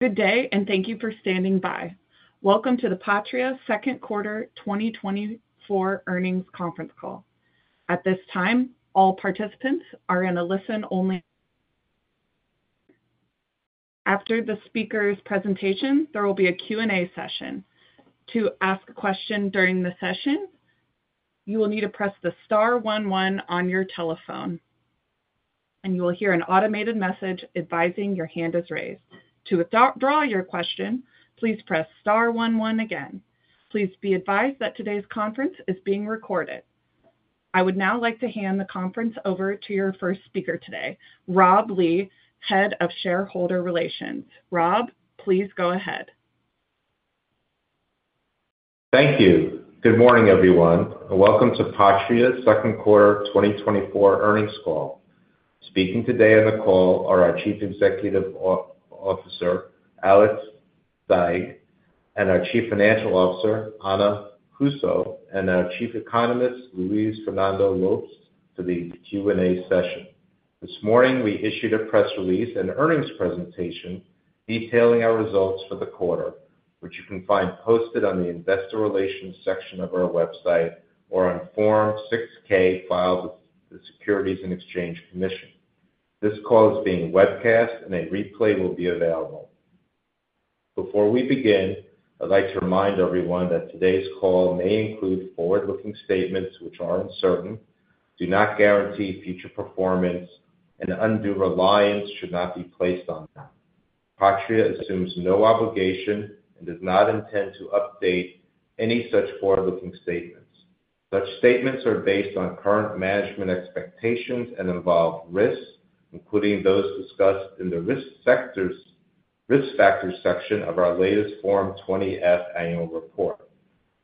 Good day, and thank you for standing by. Welcome to the Patria Second Quarter 2024 earnings conference call. At this time, all participants are in a listen-only mode. After the speaker's presentation, there will be a Q&A session. To ask a question during the session, you will need to press the star one one on your telephone, and you will hear an automated message advising your hand is raised. To draw your question, please press star one one again. Please be advised that today's conference is being recorded. I would now like to hand the conference over to your first speaker today, Rob Lee, Head of Shareholder Relations. Rob, please go ahead. Thank you. Good morning, everyone, and welcome to Patria Second Quarter 2024 earnings call. Speaking today on the call are our Chief Executive Officer, Alex Saigh, and our Chief Financial Officer, Ana Russo, and our Chief Economist, Luis Fernando Lopes, to the Q&A session. This morning, we issued a press release and earnings presentation detailing our results for the quarter, which you can find posted on the Investor Relations section of our website or on Form 6-K filed with the Securities and Exchange Commission. This call is being webcast, and a replay will be available. Before we begin, I'd like to remind everyone that today's call may include forward-looking statements which are uncertain, do not guarantee future performance, and undue reliance should not be placed on them. Patria assumes no obligation and does not intend to update any such forward-looking statements. Such statements are based on current management expectations and involve risks, including those discussed in the risk factors section of our latest Form 20-F annual report.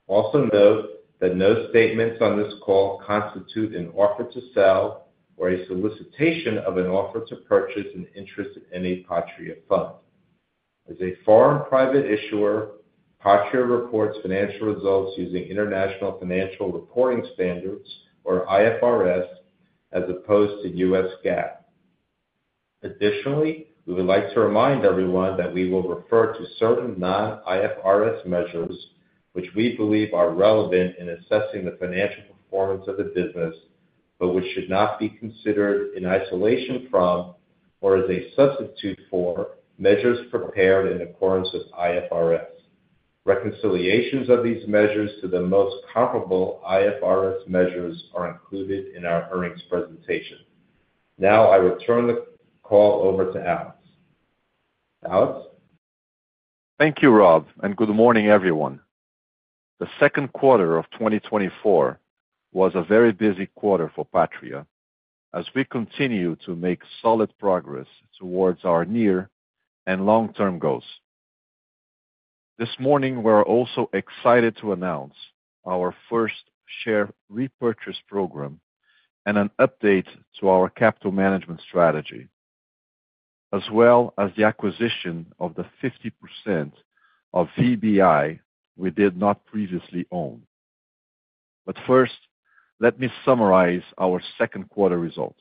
Also note that no statements on this call constitute an offer to sell or a solicitation of an offer to purchase an interest in any Patria fund. As a foreign private issuer, Patria reports financial results using International Financial Reporting Standards, or IFRS, as opposed to U.S. GAAP. Additionally, we would like to remind everyone that we will refer to certain non-IFRS measures which we believe are relevant in assessing the financial performance of the business, but which should not be considered in isolation from or as a substitute for measures prepared in accordance with IFRS. Reconciliations of these measures to the most comparable IFRS measures are included in our earnings presentation. Now, I will turn the call over to Alex. Alex? Thank you, Rob, and good morning, everyone. The second quarter of 2024 was a very busy quarter for Patria as we continue to make solid progress towards our near and long-term goals. This morning, we're also excited to announce our first share repurchase program and an update to our capital management strategy, as well as the acquisition of the 50% of VBI we did not previously own. But first, let me summarize our second quarter results.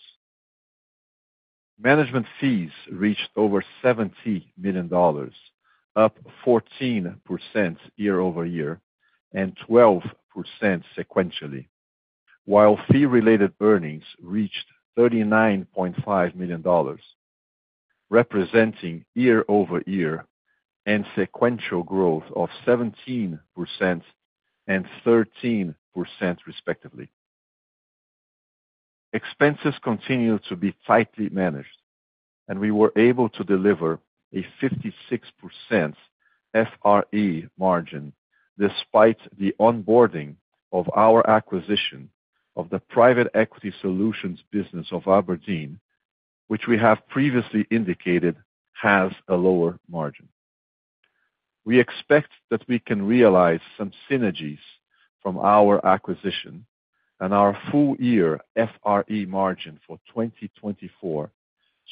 Management fees reached over $70 million, up 14% year-over-year and 12% sequentially, while fee-related earnings reached $39.5 million, representing year-over-year and sequential growth of 17% and 13%, respectively. Expenses continue to be tightly managed, and we were able to deliver a 56% FRE margin despite the onboarding of our acquisition of the private equity solutions business of abrdn, which we have previously indicated has a lower margin. We expect that we can realize some synergies from our acquisition and our full-year FRE margin for 2024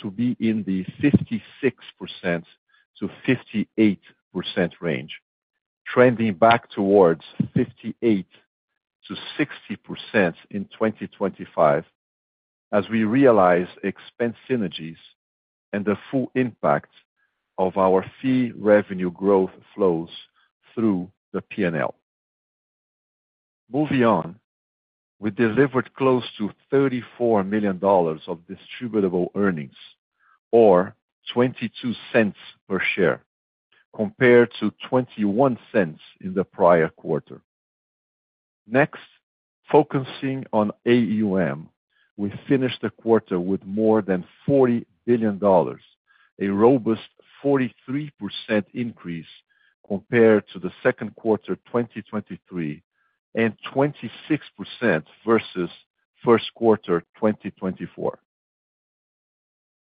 to be in the 56%-58% range, trending back towards 58%-60% in 2025 as we realize expense synergies and the full impact of our fee revenue growth flows through the P&L. Moving on, we delivered close to $34 million of distributable earnings, or $0.22 per share, compared to $0.21 in the prior quarter. Next, focusing on AUM, we finished the quarter with more than $40 billion, a robust 43% increase compared to the second quarter 2023 and 26% versus first quarter 2024.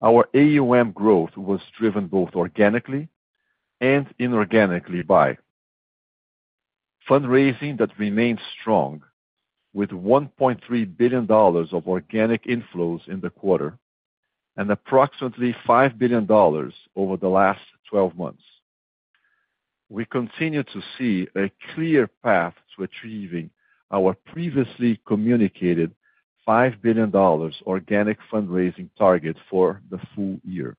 Our AUM growth was driven both organically and inorganically by fundraising that remained strong, with $1.3 billion of organic inflows in the quarter and approximately $5 billion over the last 12 months. We continue to see a clear path to achieving our previously communicated $5 billion organic fundraising target for the full year.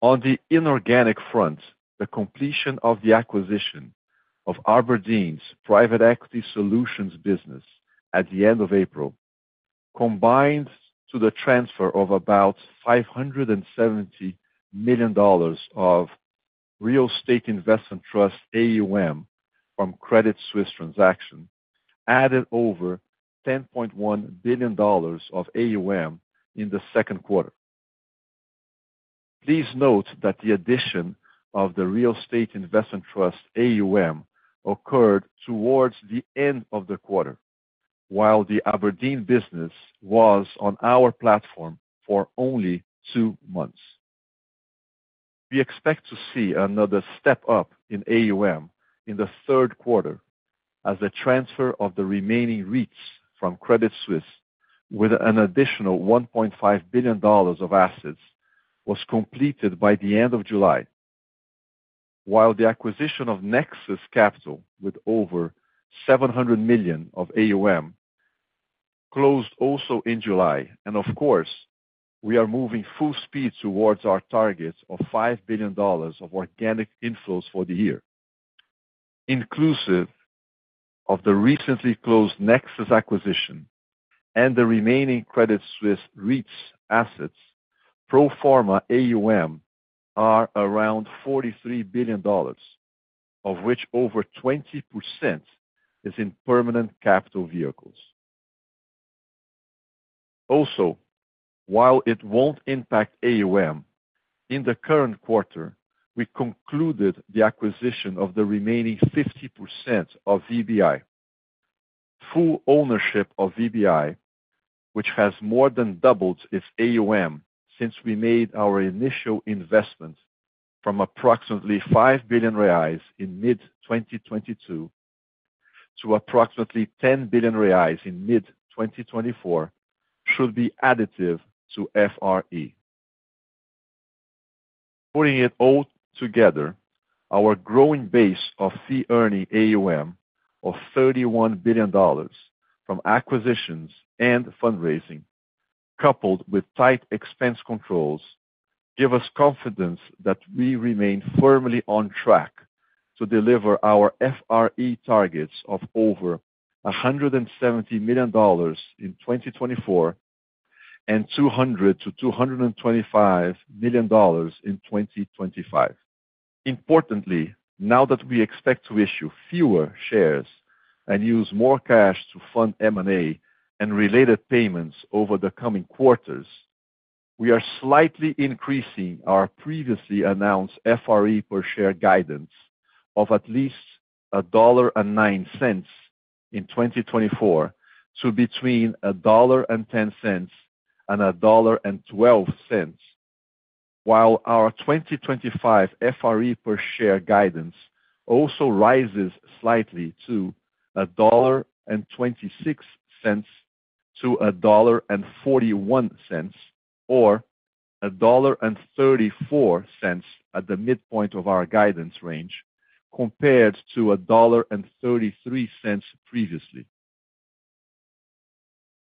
On the inorganic front, the completion of the acquisition of abrdn's private equity solutions business at the end of April, combined to the transfer of about $570 million of Real Estate Investment Trust AUM from Credit Suisse transaction, added over $10.1 billion of AUM in the second quarter. Please note that the addition of the Real Estate Investment Trust AUM occurred towards the end of the quarter, while the abrdn business was on our platform for only two months. We expect to see another step up in AUM in the third quarter as the transfer of the remaining REITs from Credit Suisse, with an additional $1.5 billion of assets, was completed by the end of July, while the acquisition of Nexus Capital, with over $700 million of AUM, closed also in July. Of course, we are moving full speed towards our target of $5 billion of organic inflows for the year, inclusive of the recently closed Nexus acquisition and the remaining Credit Suisse REITs assets. Pro forma AUM are around $43 billion, of which over 20% is in permanent capital vehicles. Also, while it won't impact AUM, in the current quarter, we concluded the acquisition of the remaining 50% of VBI, full ownership of VBI, which has more than doubled its AUM since we made our initial investment from approximately 5 billion reais in mid-2022 to approximately 10 billion reais in mid-2024, should be additive to FRE. Putting it all together, our growing base of fee-earning AUM of $31 billion from acquisitions and fundraising, coupled with tight expense controls, gives us confidence that we remain firmly on track to deliver our FRE targets of over $170 million in 2024 and $200 million-$225 million in 2025. Importantly, now that we expect to issue fewer shares and use more cash to fund M&A and related payments over the coming quarters, we are slightly increasing our previously announced FRE per share guidance of at least $1.09 in 2024 to between $1.10 and $1.12, while our 2025 FRE per share guidance also rises slightly to $1.26 to $1.41 or $1.34 at the midpoint of our guidance range compared to $1.33 previously.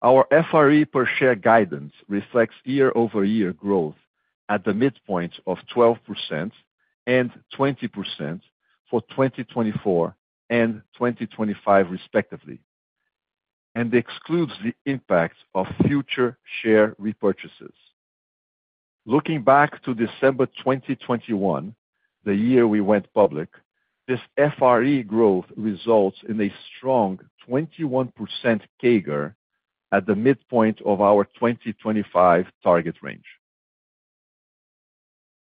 Our FRE per share guidance reflects year-over-year growth at the midpoint of 12%-20% for 2024 and 2025, respectively, and excludes the impact of future share repurchases. Looking back to December 2021, the year we went public, this FRE growth results in a strong 21% CAGR at the midpoint of our 2025 target range.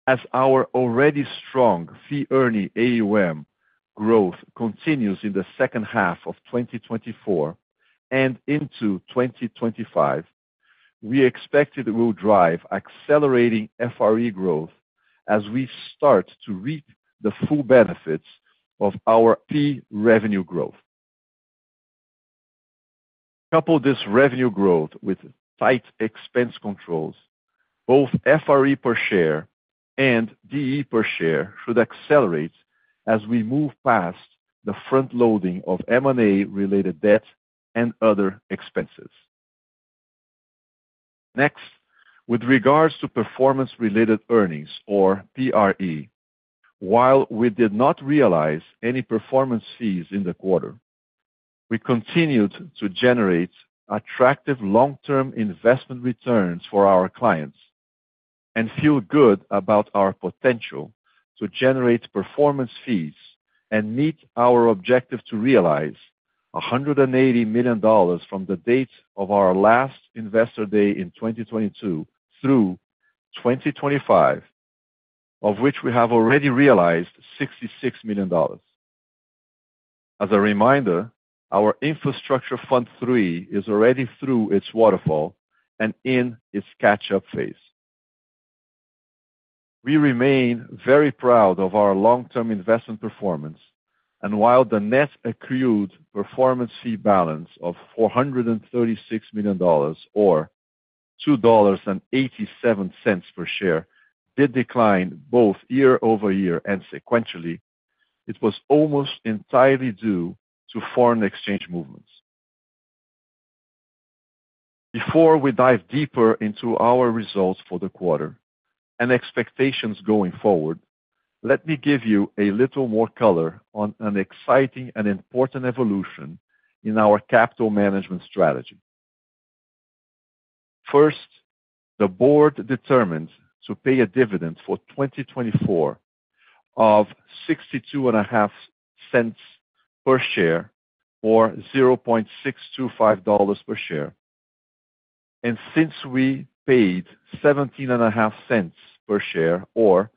As our already strong fee-earning AUM growth continues in the second half of 2024 and into 2025, we expect it will drive accelerating FRE growth as we start to reap the full benefits of our fee revenue growth. Couple this revenue growth with tight expense controls, both FRE per share and DE per share should accelerate as we move past the front-loading of M&A-related debt and other expenses. Next, with regards to performance-related earnings, or PRE, while we did not realize any performance fees in the quarter, we continued to generate attractive long-term investment returns for our clients and feel good about our potential to generate performance fees and meet our objective to realize $180 million from the date of our last Investor Day in 2022 through 2025, of which we have already realized $66 million. As a reminder, our Infrastructure Fund III is already through its waterfall and in its catch-up phase. We remain very proud of our long-term investment performance, and while the net accrued performance fee balance of $436 million, or $2.87 per share, did decline both year-over-year and sequentially, it was almost entirely due to foreign exchange movements. Before we dive deeper into our results for the quarter and expectations going forward, let me give you a little more color on an exciting and important evolution in our capital management strategy. First, the board determined to pay a dividend for 2024 of $0.62 per share, or $0.625 per share. Since we paid $0.17 per share, or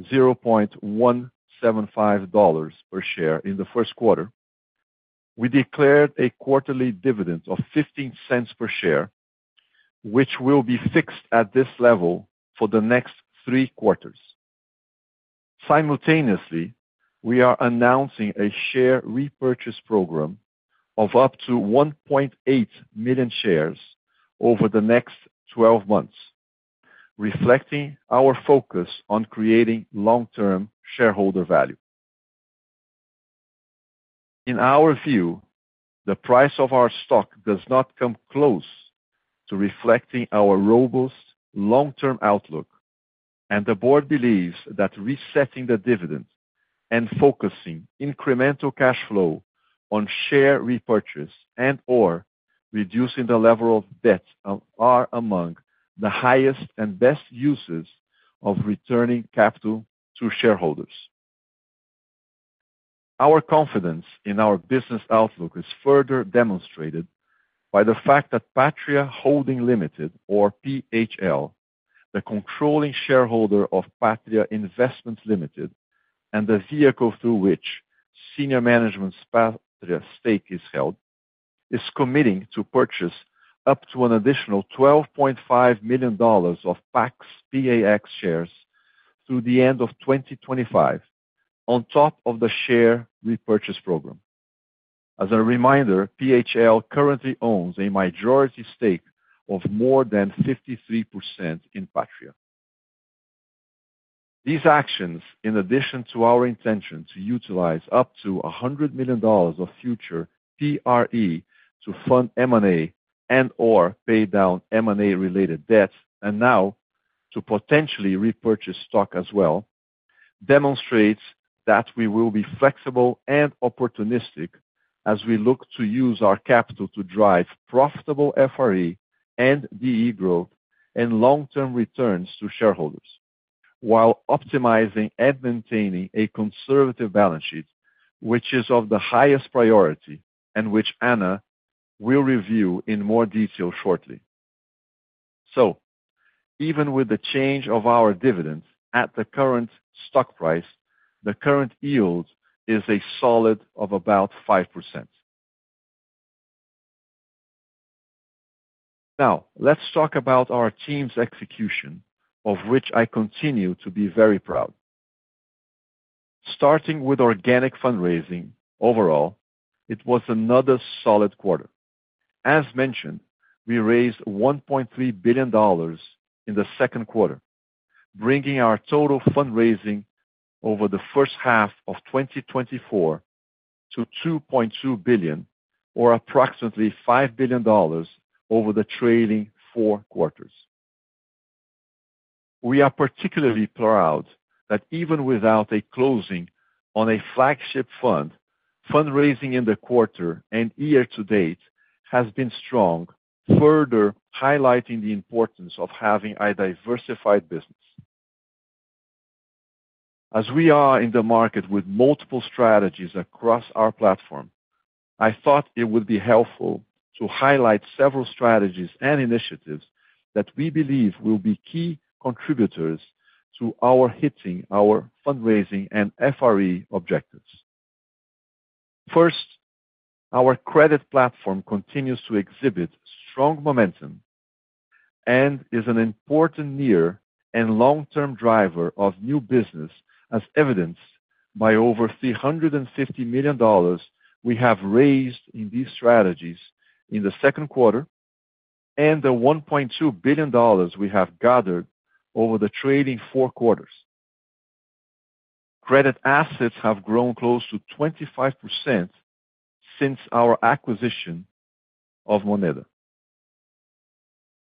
$0.175 per share in the first quarter, we declared a quarterly dividend of $0.15 per share, which will be fixed at this level for the next three quarters. Simultaneously, we are announcing a share repurchase program of up to 1.8 million shares over the next 12 months, reflecting our focus on creating long-term shareholder value. In our view, the price of our stock does not come close to reflecting our robust long-term outlook, and the board believes that resetting the dividend and focusing incremental cash flow on share repurchase and/or reducing the level of debt are among the highest and best uses of returning capital to shareholders. Our confidence in our business outlook is further demonstrated by the fact that Patria Holdings Limited, or PHL, the controlling shareholder of Patria Investments Limited and the vehicle through which senior management's Patria stake is held, is committing to purchase up to an additional $12.5 million of PAX shares through the end of 2025 on top of the share repurchase program. As a reminder, PHL currently owns a majority stake of more than 53% in Patria. These actions, in addition to our intention to utilize up to $100 million of future PRE to fund M&A and/or pay down M&A-related debt and now to potentially repurchase stock as well, demonstrate that we will be flexible and opportunistic as we look to use our capital to drive profitable FRE and DE growth and long-term returns to shareholders, while optimizing and maintaining a conservative balance sheet, which is of the highest priority and which Ana will review in more detail shortly. So, even with the change of our dividend at the current stock price, the current yield is a solid of about 5%. Now, let's talk about our team's execution, of which I continue to be very proud. Starting with organic fundraising, overall, it was another solid quarter. As mentioned, we raised $1.3 billion in the second quarter, bringing our total fundraising over the first half of 2024 to $2.2 billion, or approximately $5 billion over the trailing four quarters. We are particularly proud that even without a closing on a flagship fund, fundraising in the quarter and year-to-date has been strong, further highlighting the importance of having a diversified business. As we are in the market with multiple strategies across our platform, I thought it would be helpful to highlight several strategies and initiatives that we believe will be key contributors to our hitting our fundraising and FRE objectives. First, our credit platform continues to exhibit strong momentum and is an important near and long-term driver of new business, as evidenced by over $350 million we have raised in these strategies in the second quarter and the $1.2 billion we have gathered over the trailing four quarters. Credit assets have grown close to 25% since our acquisition of Moneda.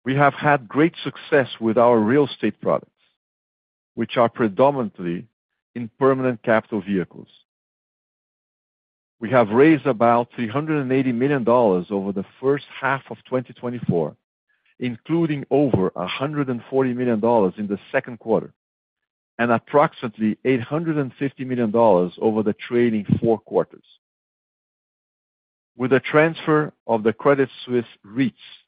We have had great success with our real estate products, which are predominantly in permanent capital vehicles. We have raised about $380 million over the first half of 2024, including over $140 million in the second quarter and approximately $850 million over the trailing four quarters. With the transfer of the Credit Suisse REITs,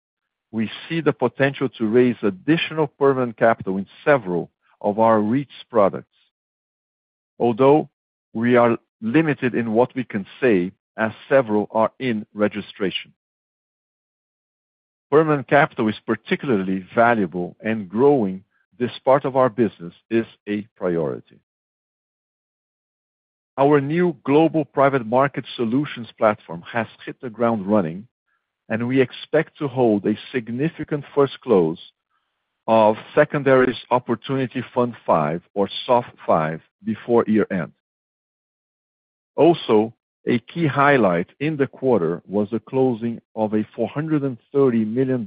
we see the potential to raise additional permanent capital in several of our REITs products, although we are limited in what we can say as several are in registration. Permanent capital is particularly valuable and growing this part of our business is a priority. Our new Global Private Markets Solutions platform has hit the ground running, and we expect to hold a significant first close of Secondary Opportunities Fund V, or SOF V, before year-end. Also, a key highlight in the quarter was the closing of a $430 million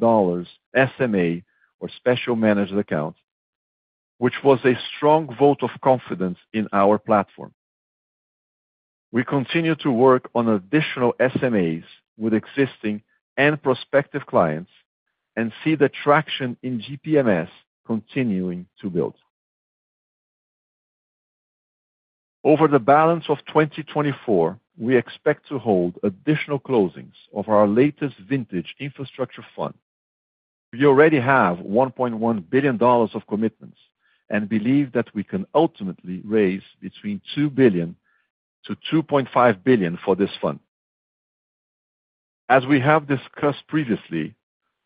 SMA, or separately managed account, which was a strong vote of confidence in our platform. We continue to work on additional SMAs with existing and prospective clients and see the traction in GPMS continuing to build. Over the balance of 2024, we expect to hold additional closings of our latest vintage infrastructure fund. We already have $1.1 billion of commitments and believe that we can ultimately raise between $2 billion-$2.5 billion for this fund. As we have discussed previously,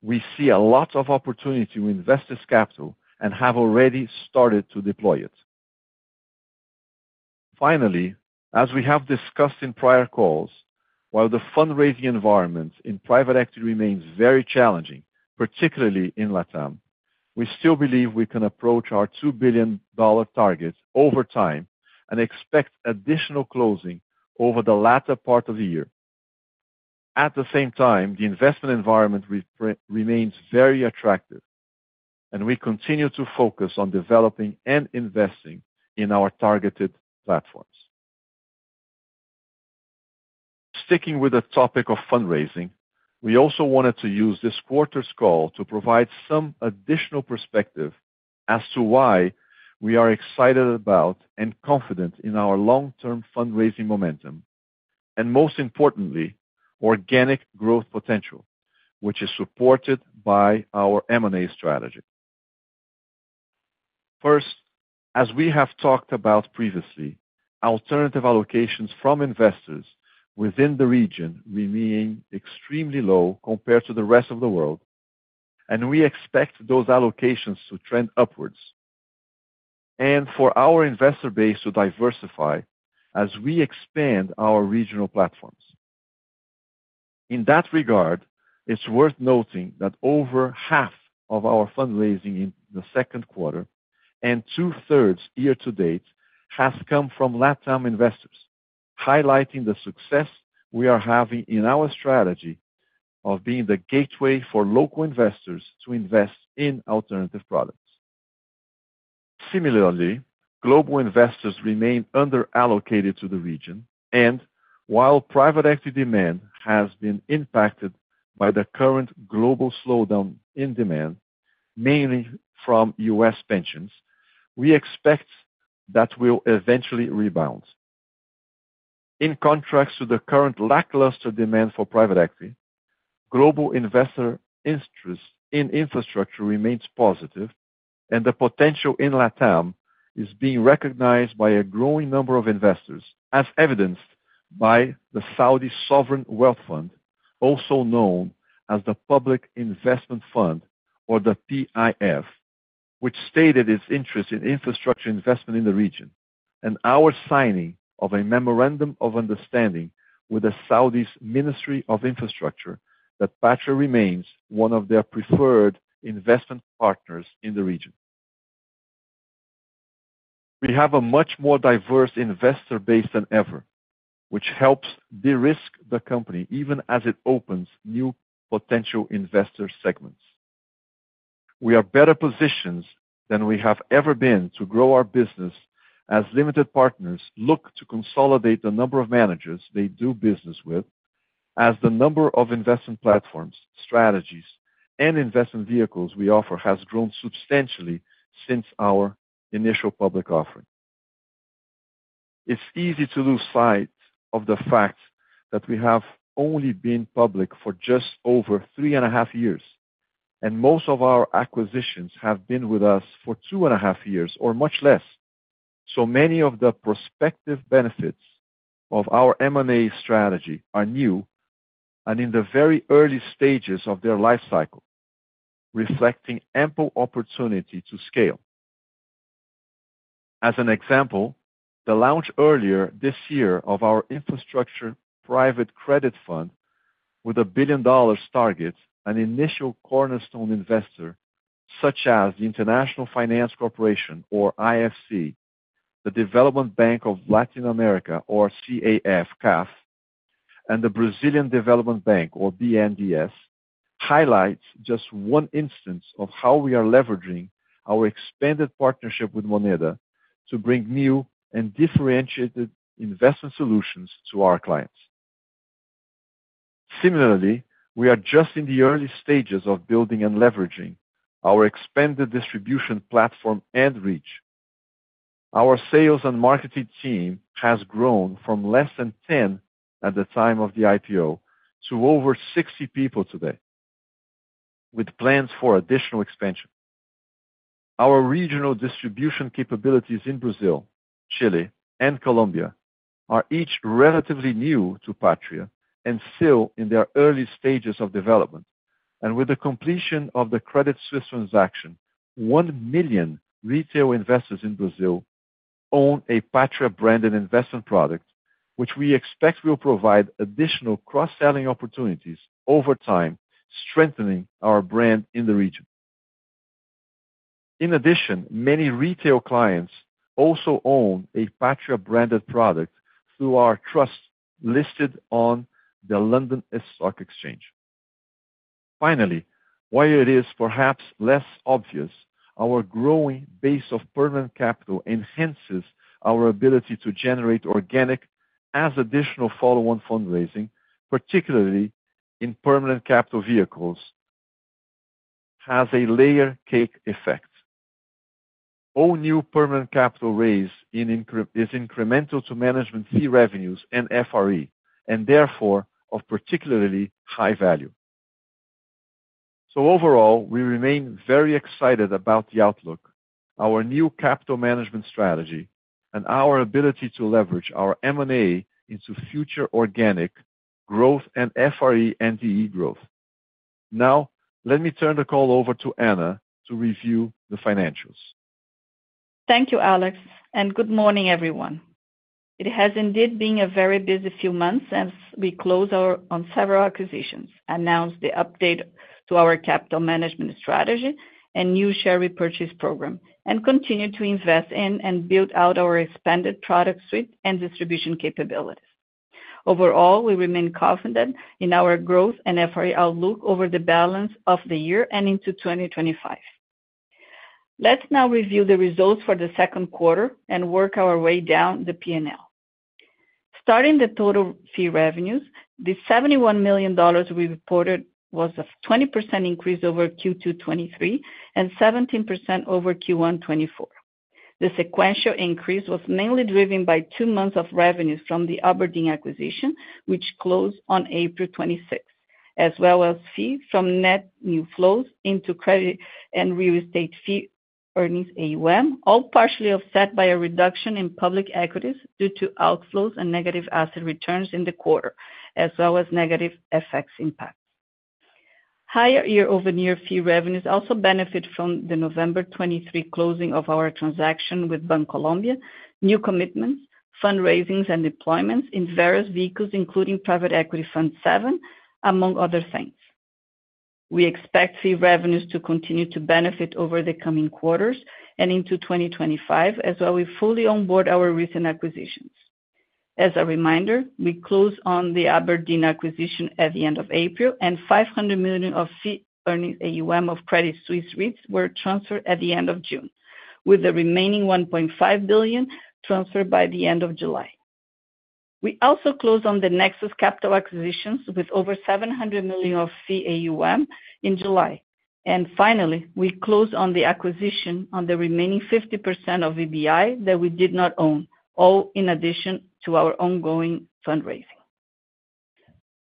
we see a lot of opportunity to invest this capital and have already started to deploy it. Finally, as we have discussed in prior calls, while the fundraising environment in private equity remains very challenging, particularly in LATAM, we still believe we can approach our $2 billion target over time and expect additional closing over the latter part of the year. At the same time, the investment environment remains very attractive, and we continue to focus on developing and investing in our targeted platforms. Sticking with the topic of fundraising, we also wanted to use this quarter's call to provide some additional perspective as to why we are excited about and confident in our long-term fundraising momentum and, most importantly, organic growth potential, which is supported by our M&A strategy. First, as we have talked about previously, alternative allocations from investors within the region remain extremely low compared to the rest of the world, and we expect those allocations to trend upwards and for our investor base to diversify as we expand our regional platforms. In that regard, it's worth noting that over half of our fundraising in the second quarter and two-thirds year-to-date has come from LATAM investors, highlighting the success we are having in our strategy of being the gateway for local investors to invest in alternative products. Similarly, global investors remain under-allocated to the region, and while private equity demand has been impacted by the current global slowdown in demand, mainly from U.S. pensions, we expect that will eventually rebound. In contrast to the current lackluster demand for private equity, global investor interest in infrastructure remains positive, and the potential in LATAM is being recognized by a growing number of investors, as evidenced by the Saudi Sovereign Wealth Fund, also known as the Public Investment Fund, or the PIF, which stated its interest in infrastructure investment in the region and our signing of a memorandum of understanding with the Saudis' Ministry of Infrastructure, that Patria remains one of their preferred investment partners in the region. We have a much more diverse investor base than ever, which helps de-risk the company even as it opens new potential investor segments. We are better positioned than we have ever been to grow our business as limited partners look to consolidate the number of managers they do business with, as the number of investment platforms, strategies, and investment vehicles we offer has grown substantially since our initial public offering. It's easy to lose sight of the fact that we have only been public for just over 3.5 years, and most of our acquisitions have been with us for 2.5 years or much less, so many of the prospective benefits of our M&A strategy are new and in the very early stages of their life cycle, reflecting ample opportunity to scale. As an example, the launch earlier this year of our Infrastructure Private Credit Fund with a $1 billion target and initial cornerstone investors such as the International Finance Corporation, or IFC, the Development Bank of Latin America, or CAF, and the Brazilian Development Bank, or BNDES, highlights just one instance of how we are leveraging our expanded partnership with Moneda to bring new and differentiated investment solutions to our clients. Similarly, we are just in the early stages of building and leveraging our expanded distribution platform and reach. Our sales and marketing team has grown from less than 10 at the time of the IPO to over 60 people today, with plans for additional expansion. Our regional distribution capabilities in Brazil, Chile, and Colombia are each relatively new to Patria and still in their early stages of development, and with the completion of the Credit Suisse transaction, 1 million retail investors in Brazil own a Patria-branded investment product, which we expect will provide additional cross-selling opportunities over time, strengthening our brand in the region. In addition, many retail clients also own a Patria-branded product through our trust listed on the London Stock Exchange. Finally, while it is perhaps less obvious, our growing base of permanent capital enhances our ability to generate organic as additional follow-on fundraising, particularly in permanent capital vehicles, has a layer cake effect. All new permanent capital raised is incremental to management fee revenues and FRE and therefore of particularly high value. Overall, we remain very excited about the outlook, our new capital management strategy, and our ability to leverage our M&A into future organic growth and FRE and DE growth. Now, let me turn the call over to Ana to review the financials. Thank you, Alex, and good morning, everyone. It has indeed been a very busy few months as we closed on several acquisitions, announced the update to our capital management strategy and new share repurchase program, and continued to invest in and build out our expanded product suite and distribution capabilities. Overall, we remain confident in our growth and FRE outlook over the balance of the year and into 2025. Let's now review the results for the second quarter and work our way down the P&L. Starting the total fee revenues, the $71 million we reported was a 20% increase over Q2 2023 and 17% over Q1 2024. The sequential increase was mainly driven by two months of revenues from the abrdn acquisition, which closed on April 26, as well as fees from net new flows into credit and real estate fee earnings AUM, all partially offset by a reduction in public equities due to outflows and negative asset returns in the quarter, as well as negative FX impacts. Higher year-over-year fee revenues also benefit from the November 2023 closing of our transaction with Bancolombia, new commitments, fundraisings, and deployments in various vehicles, including Private Equity Fund VII, among other things. We expect fee revenues to continue to benefit over the coming quarters and into 2025, as well as fully onboard our recent acquisitions. As a reminder, we closed on the abrdn acquisition at the end of April, and $500 million of fee-earning AUM of Credit Suisse REITs were transferred at the end of June, with the remaining $1.5 billion transferred by the end of July. We also closed on the Nexus Capital acquisitions with over $700 million of fee-earning AUM in July. Finally, we closed on the acquisition of the remaining 50% of VBI that we did not own, all in addition to our ongoing fundraising.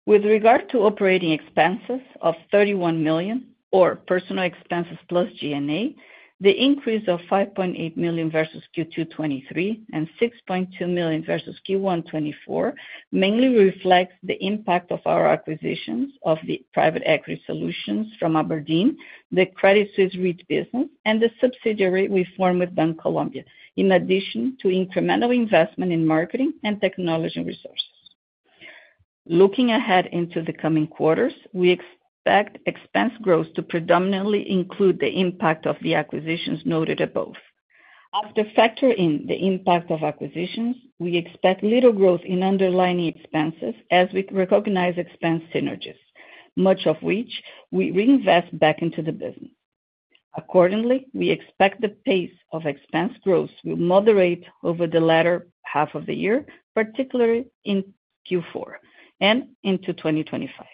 With regard to operating expenses of $31 million, or personnel expenses plus G&A, the increase of $5.8 million versus Q2 2023 and $6.2 million versus Q1 2024 mainly reflects the impact of our acquisitions of the private equity solutions from abrdn, the Credit Suisse REIT business, and the subsidiary we formed with Bancolombia, in addition to incremental investment in marketing and technology resources. Looking ahead into the coming quarters, we expect expense growth to predominantly include the impact of the acquisitions noted above. After factoring in the impact of acquisitions, we expect little growth in underlying expenses as we recognize expense synergies, much of which we reinvest back into the business. Accordingly, we expect the pace of expense growth will moderate over the latter half of the year, particularly in Q4 and into 2025.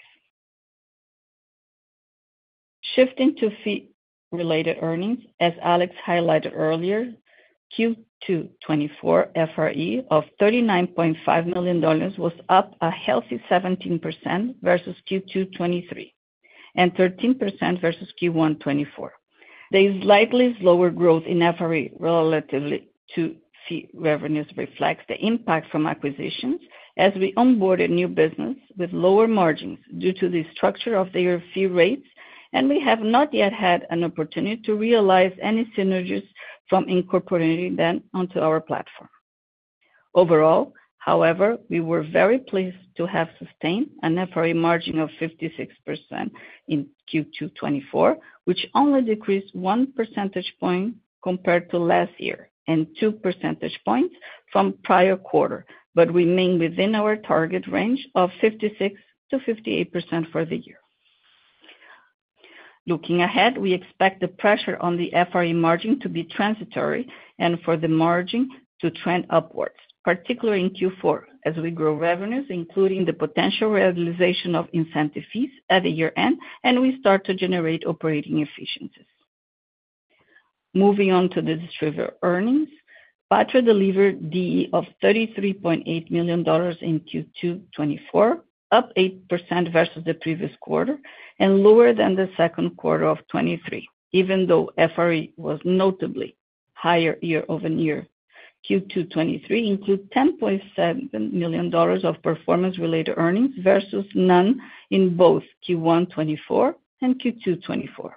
Shifting to fee-related earnings, as Alex highlighted earlier, Q2 2024 FRE of $39.5 million was up a healthy 17% versus Q2 2023 and 13% versus Q1 2024. The slightly slower growth in FRE relative to fee revenues reflects the impact from acquisitions as we onboarded new business with lower margins due to the structure of their fee rates, and we have not yet had an opportunity to realize any synergies from incorporating them onto our platform. Overall, however, we were very pleased to have sustained an FRE margin of 56% in Q2 2024, which only decreased one percentage point compared to last year and two percentage points from prior quarter, but remained within our target range of 56%-58% for the year. Looking ahead, we expect the pressure on the FRE margin to be transitory and for the margin to trend upwards, particularly in Q4 as we grow revenues, including the potential realization of incentive fees at the year-end, and we start to generate operating efficiencies. Moving on to the distributable earnings, Patria delivered DE of $33.8 million in Q2 2024, up 8% versus the previous quarter and lower than the second quarter of 2023, even though FRE was notably higher year-over-year. Q2 2023 included $10.7 million of performance-related earnings versus none in both Q1 2024 and Q2 2024.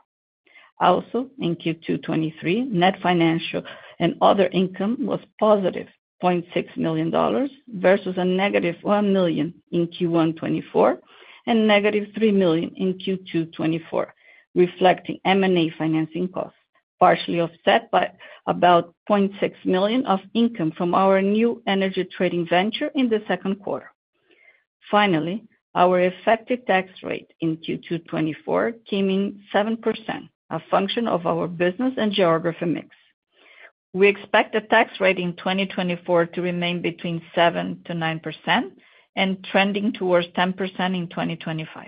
Also, in Q2 2023, net financial and other income was positive $0.6 million versus a negative $1 million in Q1 2024 and negative $3 million in Q2 2024, reflecting M&A financing costs, partially offset by about $0.6 million of income from our new energy trading venture in the second quarter. Finally, our effective tax rate in Q2 2024 came in 7%, a function of our business and geography mix. We expect the tax rate in 2024 to remain between 7%-9% and trending towards 10% in 2025.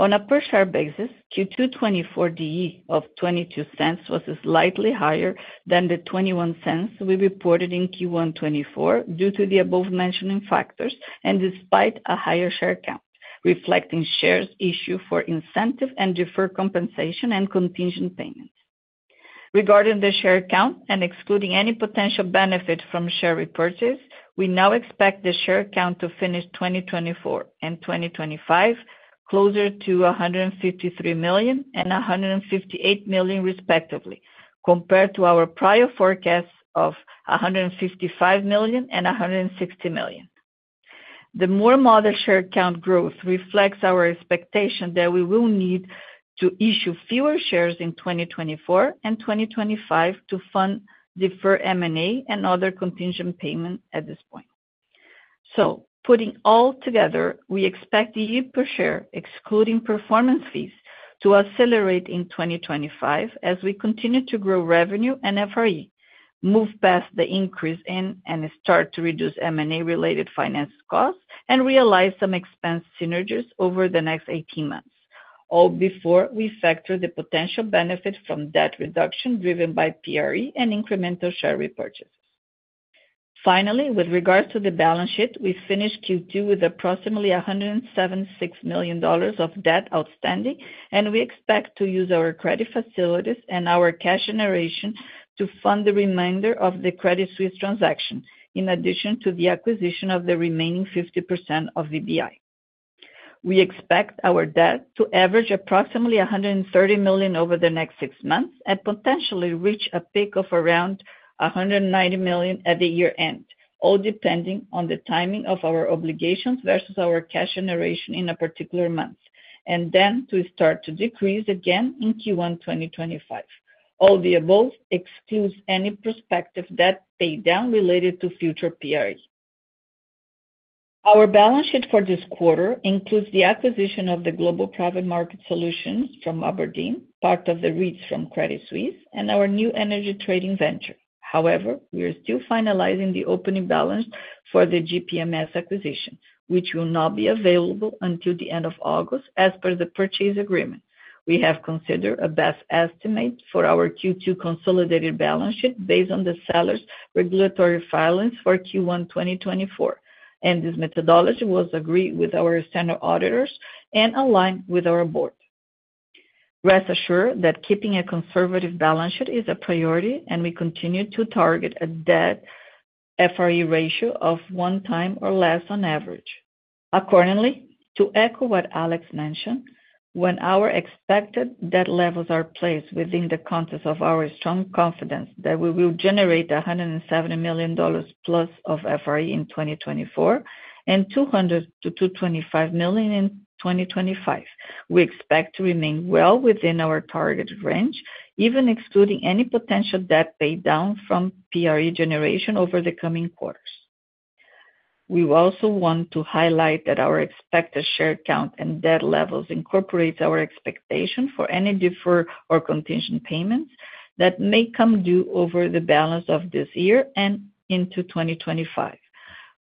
On a per-share basis, Q2 2024 DE of $0.22 was slightly higher than the $0.21 we reported in Q1 2024 due to the above-mentioned factors and despite a higher share count, reflecting shares issued for incentive and deferred compensation and contingent payments. Regarding the share count and excluding any potential benefit from share repurchase, we now expect the share count to finish 2024 and 2025 closer to $153 million and $158 million, respectively, compared to our prior forecasts of $155 million and $160 million. The more modest share count growth reflects our expectation that we will need to issue fewer shares in 2024 and 2025 to fund deferred M&A and other contingent payments at this point. So, putting all together, we expect DE per share, excluding performance fees, to accelerate in 2025 as we continue to grow revenue and FRE, move past the increase in and start to reduce M&A-related finance costs, and realize some expense synergies over the next 18 months, all before we factor the potential benefit from debt reduction driven by PRE and incremental share repurchases. Finally, with regards to the balance sheet, we finished Q2 with approximately $176 million of debt outstanding, and we expect to use our credit facilities and our cash generation to fund the remainder of the Credit Suisse transaction, in addition to the acquisition of the remaining 50% of VBI. We expect our debt to average approximately $130 million over the next six months and potentially reach a peak of around $190 million at the year-end, all depending on the timing of our obligations versus our cash generation in a particular month, and then to start to decrease again in Q1 2025. All the above excludes any prospective debt paydown related to future PRE. Our balance sheet for this quarter includes the acquisition of the Global Private Markets Solutions from abrdn, part of the REITs from Credit Suisse, and our new energy trading venture. However, we are still finalizing the opening balance for the GPMS acquisition, which will not be available until the end of August as per the purchase agreement. We have considered a best estimate for our Q2 consolidated balance sheet based on the seller's regulatory filings for Q1 2024, and this methodology was agreed with our senior auditors and aligned with our board. Rest assured that keeping a conservative balance sheet is a priority, and we continue to target a debt-FRE ratio of 1x or less on average. Accordingly, to echo what Alex mentioned, when our expected debt levels are placed within the context of our strong confidence that we will generate $170 million+ of FRE in 2024 and $200 million-$225 million in 2025, we expect to remain well within our target range, even excluding any potential debt paydown from PRE generation over the coming quarters. We also want to highlight that our expected share count and debt levels incorporate our expectation for any deferred or contingent payments that may come due over the balance of this year and into 2025,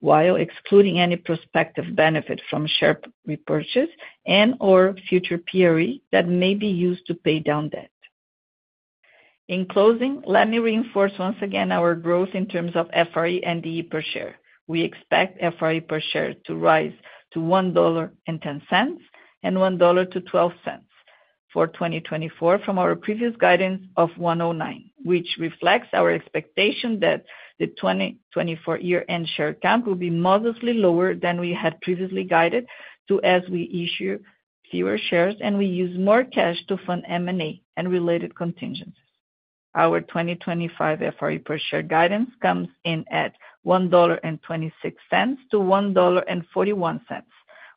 while excluding any prospective benefit from share repurchase and/or future PRE that may be used to pay down debt. In closing, let me reinforce once again our growth in terms of FRE and DE per share. We expect FRE per share to rise to $1.10 and $1.12 for 2024 from our previous guidance of $1.09, which reflects our expectation that the 2024 year-end share count will be modestly lower than we had previously guided to as we issue fewer shares and we use more cash to fund M&A and related contingencies. Our 2025 FRE per share guidance comes in at $1.26-$1.41,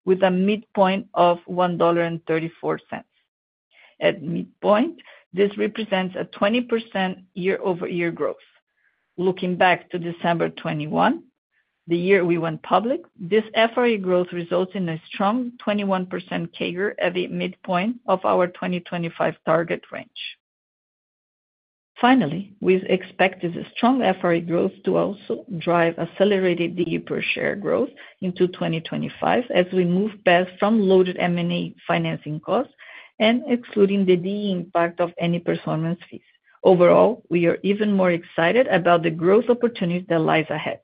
with a midpoint of $1.34. At midpoint, this represents a 20% year-over-year growth. Looking back to December 2021, the year we went public, this FRE growth results in a strong 21% CAGR at the midpoint of our 2025 target range. Finally, we expect this strong FRE growth to also drive accelerated DE per share growth into 2025 as we move past from loaded M&A financing costs and excluding the DE impact of any performance fees. Overall, we are even more excited about the growth opportunities that lie ahead.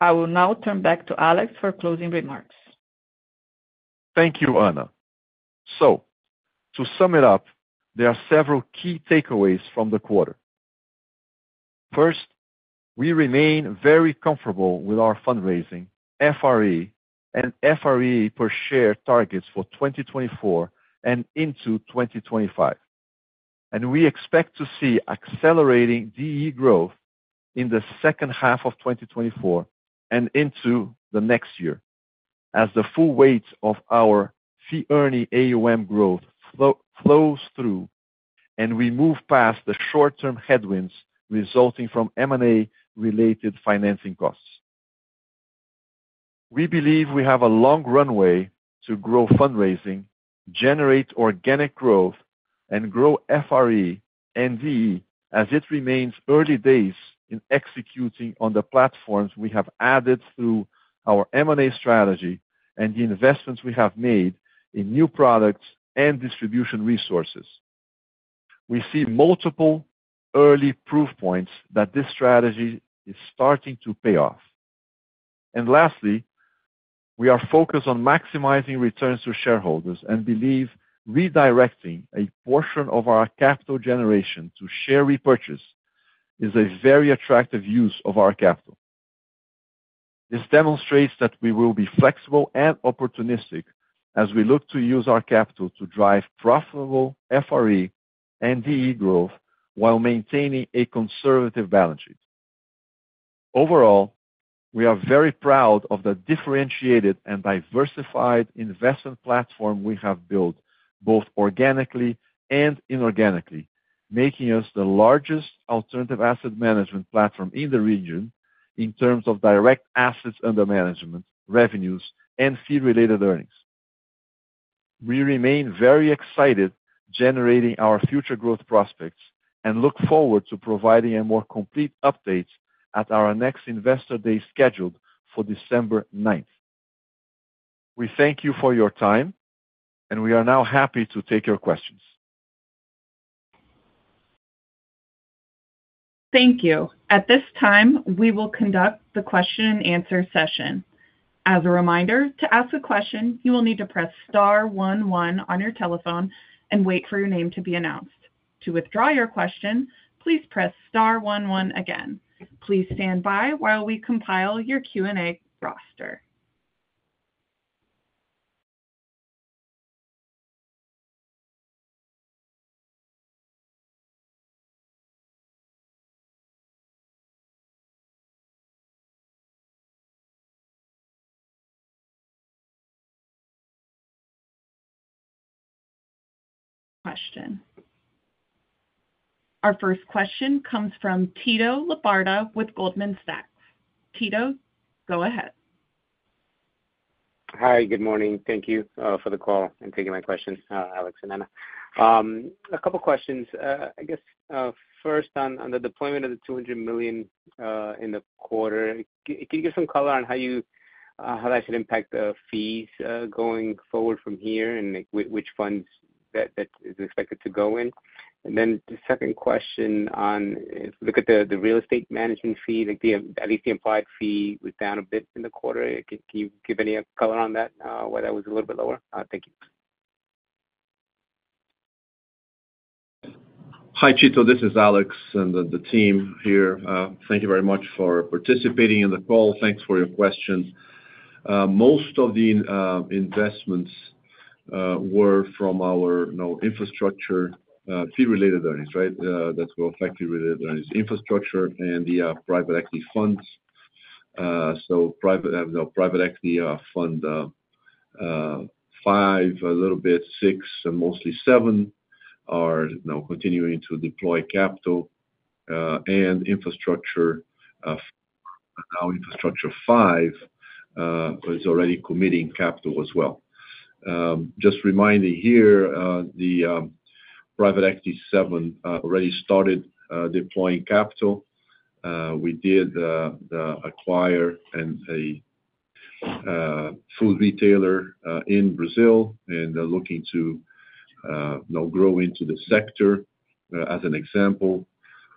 I will now turn back to Alex for closing remarks. Thank you, Ana. So, to sum it up, there are several key takeaways from the quarter. First, we remain very comfortable with our fundraising, FRE, and FRE per share targets for 2024 and into 2025. And we expect to see accelerating DE growth in the second half of 2024 and into the next year as the full weight of our fee-earning AUM growth flows through and we move past the short-term headwinds resulting from M&A-related financing costs. We believe we have a long runway to grow fundraising, generate organic growth, and grow FRE and DE as it remains early days in executing on the platforms we have added through our M&A strategy and the investments we have made in new products and distribution resources. We see multiple early proof points that this strategy is starting to pay off. And lastly, we are focused on maximizing returns to shareholders and believe redirecting a portion of our capital generation to share repurchase is a very attractive use of our capital. This demonstrates that we will be flexible and opportunistic as we look to use our capital to drive profitable FRE and DE growth while maintaining a conservative balance sheet. Overall, we are very proud of the differentiated and diversified investment platform we have built both organically and inorganically, making us the largest alternative asset management platform in the region in terms of direct assets under management, revenues, and fee-related earnings. We remain very excited generating our future growth prospects and look forward to providing a more complete update at our next Investor Day scheduled for December 9th. We thank you for your time, and we are now happy to take your questions. Thank you. At this time, we will conduct the question-and-answer session. As a reminder, to ask a question, you will need to press star one one on your telephone and wait for your name to be announced. To withdraw your question, please press star one one again. Please stand by while we compile your Q&A roster. Question. Our first question comes from Tito Labarta with Goldman Sachs. Tito, go ahead. Hi, good morning. Thank you for the call and taking my question, Alex and Ana. A couple of questions. I guess first, on the deployment of the $200 million in the quarter, can you give some color on how that should impact the fees going forward from here and which funds that is expected to go in? And then the second question on, if we look at the real estate management fee, at least the implied fee was down a bit in the quarter. Can you give any color on that, why that was a little bit lower? Thank you. Hi, Tito. This is Alex and the team here. Thank you very much for participating in the call. Thanks for your questions. Most of the investments were from our infrastructure fee-related earnings, right? That's what affected related earnings, infrastructure and the private equity funds. So Private Equity Fund V, a little bit VI, and mostly VII are now continuing to deploy capital and infrastructure. Now Infrastructure V is already committing capital as well. Just reminding here, the Private Equity VII already started deploying capital. We did acquire a food retailer in Brazil and are looking to grow into the sector as an example.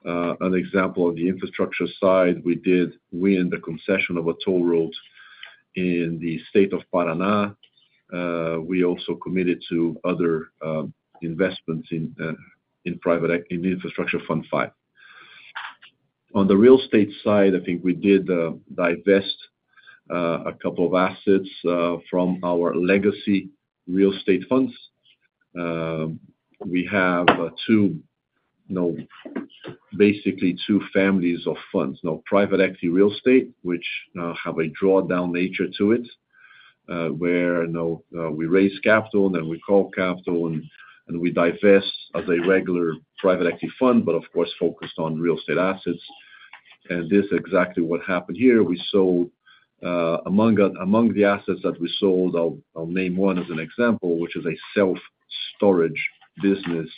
An example on the infrastructure side, we did win the concession of a toll road in the state of Paraná. We also committed to other investments in private in Infrastructure Fund V. On the real estate side, I think we did divest a couple of assets from our legacy real estate funds. We have basically two families of funds, private equity real estate, which have a drawdown nature to it, where we raise capital, then we call capital, and we divest as a regular private equity fund, but of course, focused on real estate assets. And this is exactly what happened here. We sold among the assets that we sold, I'll name one as an example, which is a self-storage business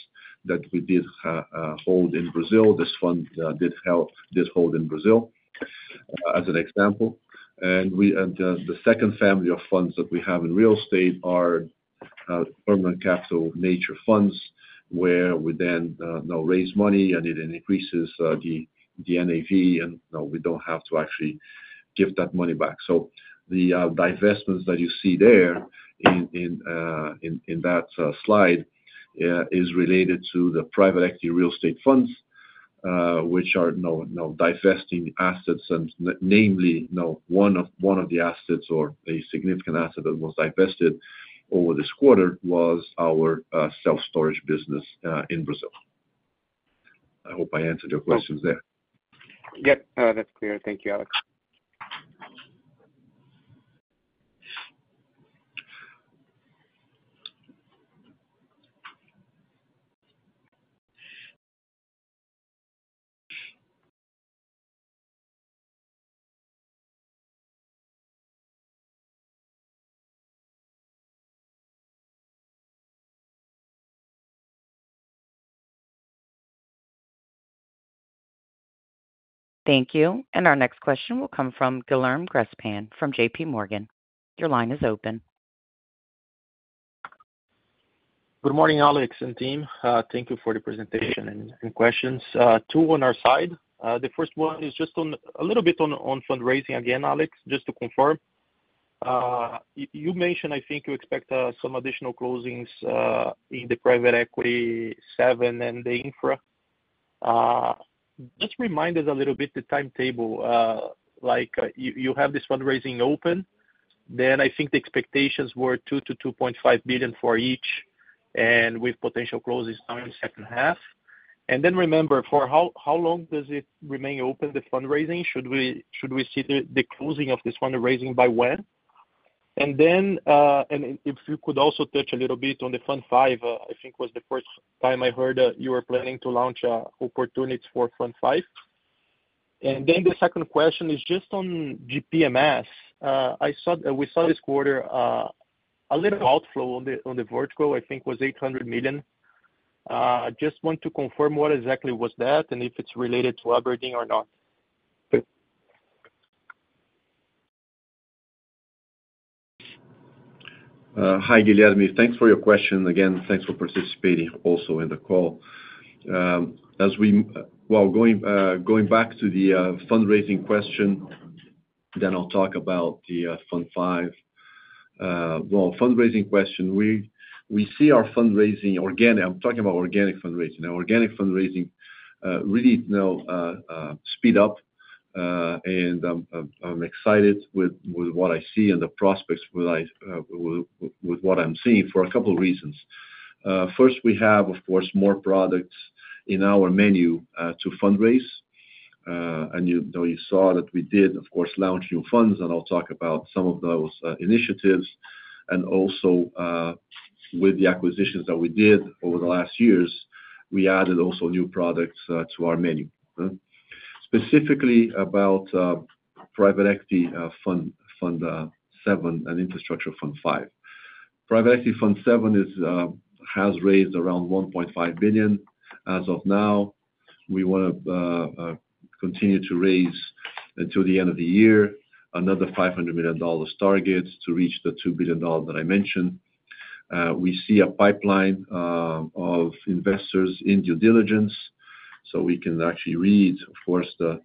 that we did hold in Brazil. This fund did hold in Brazil as an example. And the second family of funds that we have in real estate are permanent capital nature funds, where we then raise money and it increases the NAV, and we don't have to actually give that money back. So the divestments that you see there in that slide is related to the private equity real estate funds, which are divesting assets. Namely, one of the assets or a significant asset that was divested over this quarter was our self-storage business in Brazil. I hope I answered your questions there. Yep, that's clear. Thank you, Alex. Thank you. And our next question will come from Guilherme Grespan from J.P. Morgan. Your line is open. Good morning, Alex and team. Thank you for the presentation and questions. Two on our side. The first one is just a little bit on fundraising again, Alex, just to confirm. You mentioned, I think you expect some additional closings in the Private Equity VII and the infra. Just remind us a little bit the timetable. You have this fundraising open. Then I think the expectations were $2 billion-$2.5 billion for each, and with potential closings now in the second half. And then remember, for how long does it remain open, the fundraising? Should we see the closing of this fundraising by when? And then if you could also touch a little bit on the Fund V, I think was the first time I heard you were planning to launch opportunities for Fund V. And then the second question is just on GPMS. We saw this quarter a little outflow on the vertical, I think was $800 million. Just want to confirm what exactly was that and if it's related to abrdn or not. Hi, Guilherme. Thanks for your question. Again, thanks for participating also in the call. While going back to the fundraising question, then I'll talk about the Fund V. Well, fundraising question. We see our fundraising organic. I'm talking about organic fundraising. Organic fundraising really now speed up, and I'm excited with what I see and the prospects with what I'm seeing for a couple of reasons. First, we have, of course, more products in our menu to fundraise. And you saw that we did, of course, launch new funds, and I'll talk about some of those initiatives. And also with the acquisitions that we did over the last years, we added also new products to our menu. Specifically about Private Equity Fund VII and Infrastructure Fund V. Private Equity Fund VII has raised around $1.5 billion as of now. We want to continue to raise until the end of the year another $500 million target to reach the $2 billion that I mentioned. We see a pipeline of investors in due diligence. So we can actually read, of course, the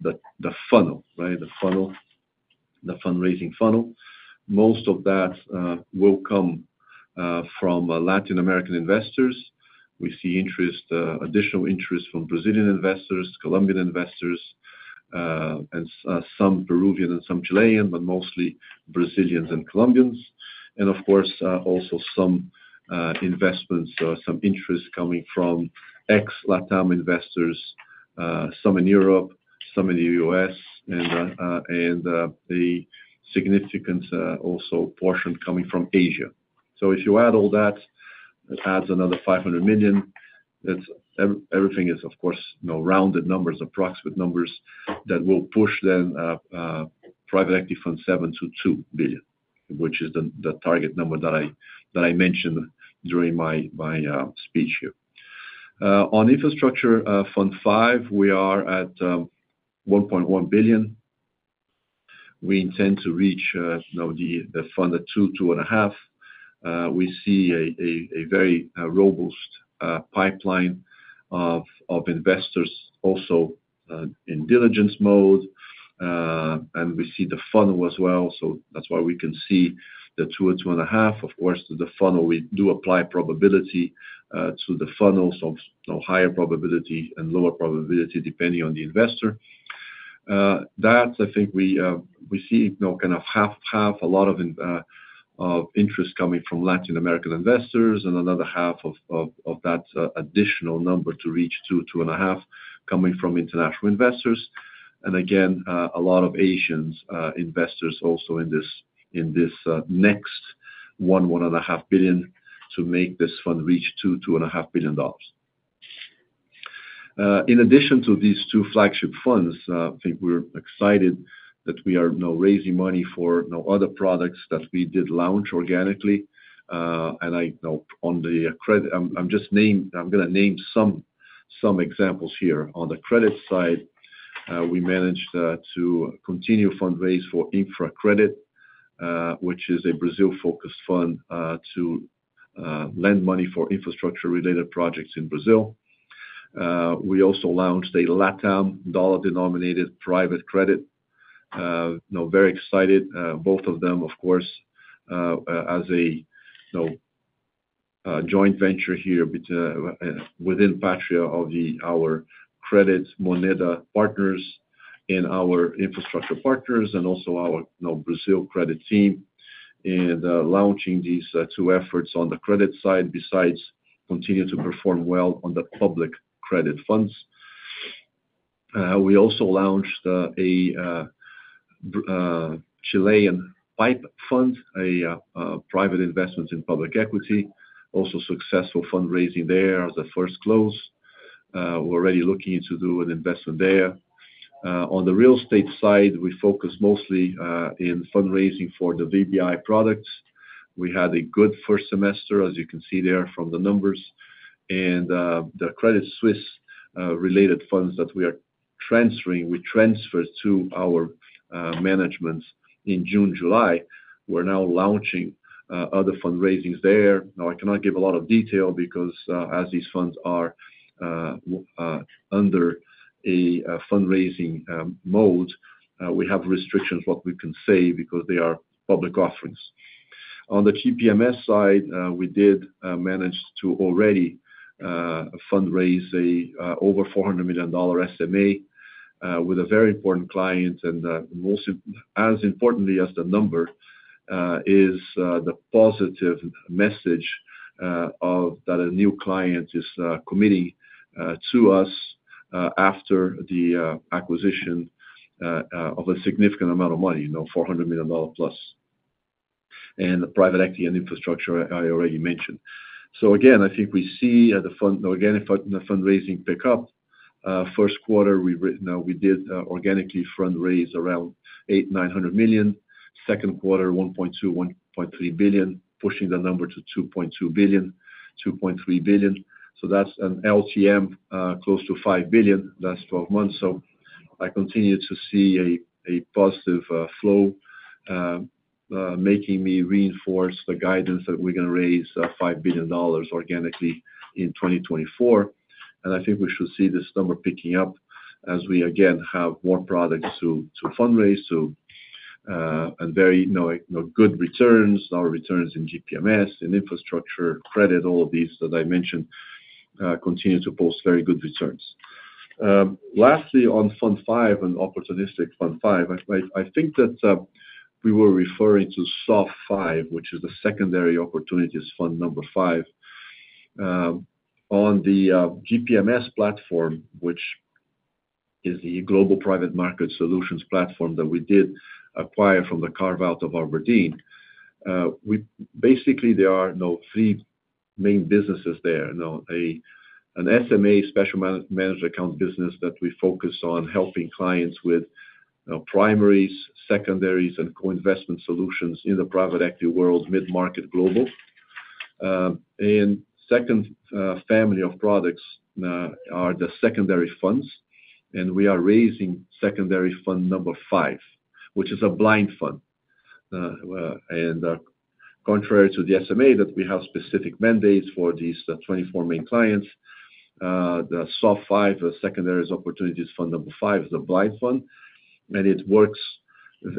funnel, right? The fundraising funnel. Most of that will come from Latin American investors. We see additional interest from Brazilian investors, Colombian investors, and some Peruvian and some Chilean, but mostly Brazilians and Colombians. Of course, also some investments, some interest coming from ex-LATAM investors, some in Europe, some in the U.S., and a significant also portion coming from Asia. So if you add all that, it adds another $500 million. Everything is, of course, rounded numbers, approximate numbers that will push then Private Equity Fund VII to $2 billion, which is the target number that I mentioned during my speech here. On Infrastructure Fund V, we are at $1.1 billion. We intend to reach the fund $2 billion-$2.5 billion. We see a very robust pipeline of investors also in diligence mode. And we see the funnel as well. So that's why we can see the $2 billion or $2.5 billion. Of course, the funnel, we do apply probability to the funnel, so higher probability and lower probability depending on the investor. That, I think we see kind of half a lot of interest coming from Latin American investors and another half of that additional number to reach $2 billion-$2.5 billion coming from international investors. Again, a lot of Asian investors also in this next one, $1.5 billion to make this fund reach $2 billion-$2.5 billion. In addition to these two flagship funds, I think we're excited that we are now raising money for other products that we did launch organically. On the credit, I'm just going to name some examples here. On the credit side, we managed to continue fundraise for Infra Credit, which is a Brazil-focused fund to lend money for infrastructure-related projects in Brazil. We also launched a LATAM dollar-denominated private credit. Very excited, both of them, of course, as a joint venture here within Patria of our credit Moneda partners and our infrastructure partners and also our Brazil credit team and launching these two efforts on the credit side besides continue to perform well on the public credit funds. We also launched a Chilean PIPE fund, a private investment in public equity, also successful fundraising there as a first close. We're already looking to do an investment there. On the real estate side, we focus mostly in fundraising for the VBI products. We had a good first semester, as you can see there from the numbers. The Credit Suisse-related funds that we are transferring, we transferred to our management in June, July. We're now launching other fundraisings there. Now, I cannot give a lot of detail because as these funds are under a fundraising mode, we have restrictions what we can say because they are public offerings. On the GPMS side, we did manage to already fundraise over $400 million SMA with a very important client. And as importantly as the number is the positive message that a new client is committing to us after the acquisition of a significant amount of money, $400 million plus. And private equity and infrastructure I already mentioned. So again, I think we see the fundraising pick up. First quarter, we did organically fundraise around $800 million-$900 million. Second quarter, $1.2 billion-$1.3 billion, pushing the number to $2.2 billion-$2.3 billion. So that's an LTM close to $5 billion last 12 months. So I continue to see a positive flow making me reinforce the guidance that we're going to raise $5 billion organically in 2024. And I think we should see this number picking up as we again have more products to fundraise and very good returns, our returns in GPMS, in infrastructure, credit, all of these that I mentioned continue to post very good returns. Lastly, on Fund V and Opportunistic Fund V, I think that we were referring to SOF V, which is the Secondary Opportunity Fund V. On the GPMS platform, which is the Global Private Markets Solutions platform that we did acquire from the carve-out of abrdn, basically there are three main businesses there. An SMA, separately managed account business that we focus on helping clients with primaries, secondaries, and co-investment solutions in the private equity world, mid-market, global. Second family of products are the secondary funds. We are raising secondary fund number 5, which is a blind fund. Contrary to the SMA that we have specific mandates for these 24 main clients, the SOF V Secondaries Opportunity Fund V is a blind fund. It works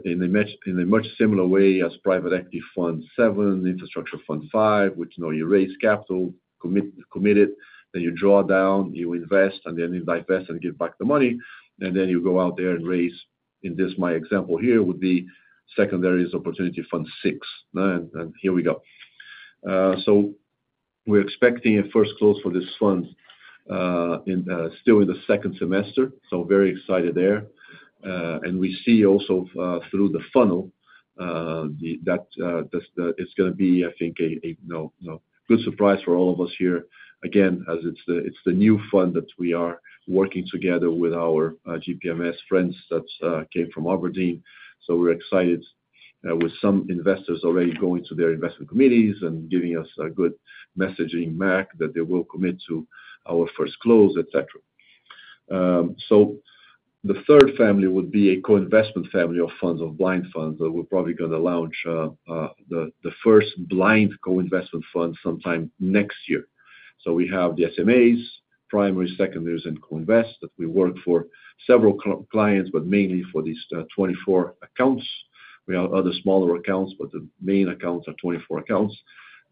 in a much similar way as Private Equity Fund VII, Infrastructure Fund V, which you raise capital, committed, then you draw down, you invest, and then you divest and give back the money. Then you go out there and raise. In this, my example here would be Secondaries Opportunity Fund VI. And here we go. We're expecting a first close for this fund still in the second semester. Very excited there. We see also through the funnel that it's going to be, I think, a good surprise for all of us here. Again, as it's the new fund that we are working together with our GPMS friends that came from abrdn. We're excited with some investors already going to their investment committees and giving us a good messaging that they will commit to our first close, etc. The third family would be a co-investment family of funds of blind funds that we're probably going to launch the first blind co-investment fund sometime next year. We have the SMAs, primary, secondaries, and co-invest that we work for several clients, but mainly for these 24 accounts. We have other smaller accounts, but the main accounts are 24 accounts.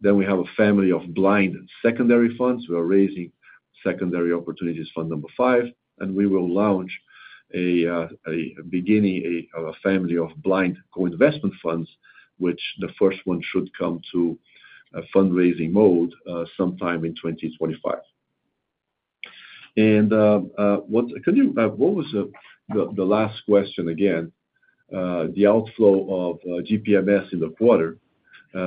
Then we have a family of blind secondary funds. We are raising Secondary Opportunity Fund V. We will launch a beginning of a family of blind co-investment funds, which the first one should come to fundraising mode sometime in 2025. And what was the last question again? The outflow of GPMS in the quarter. The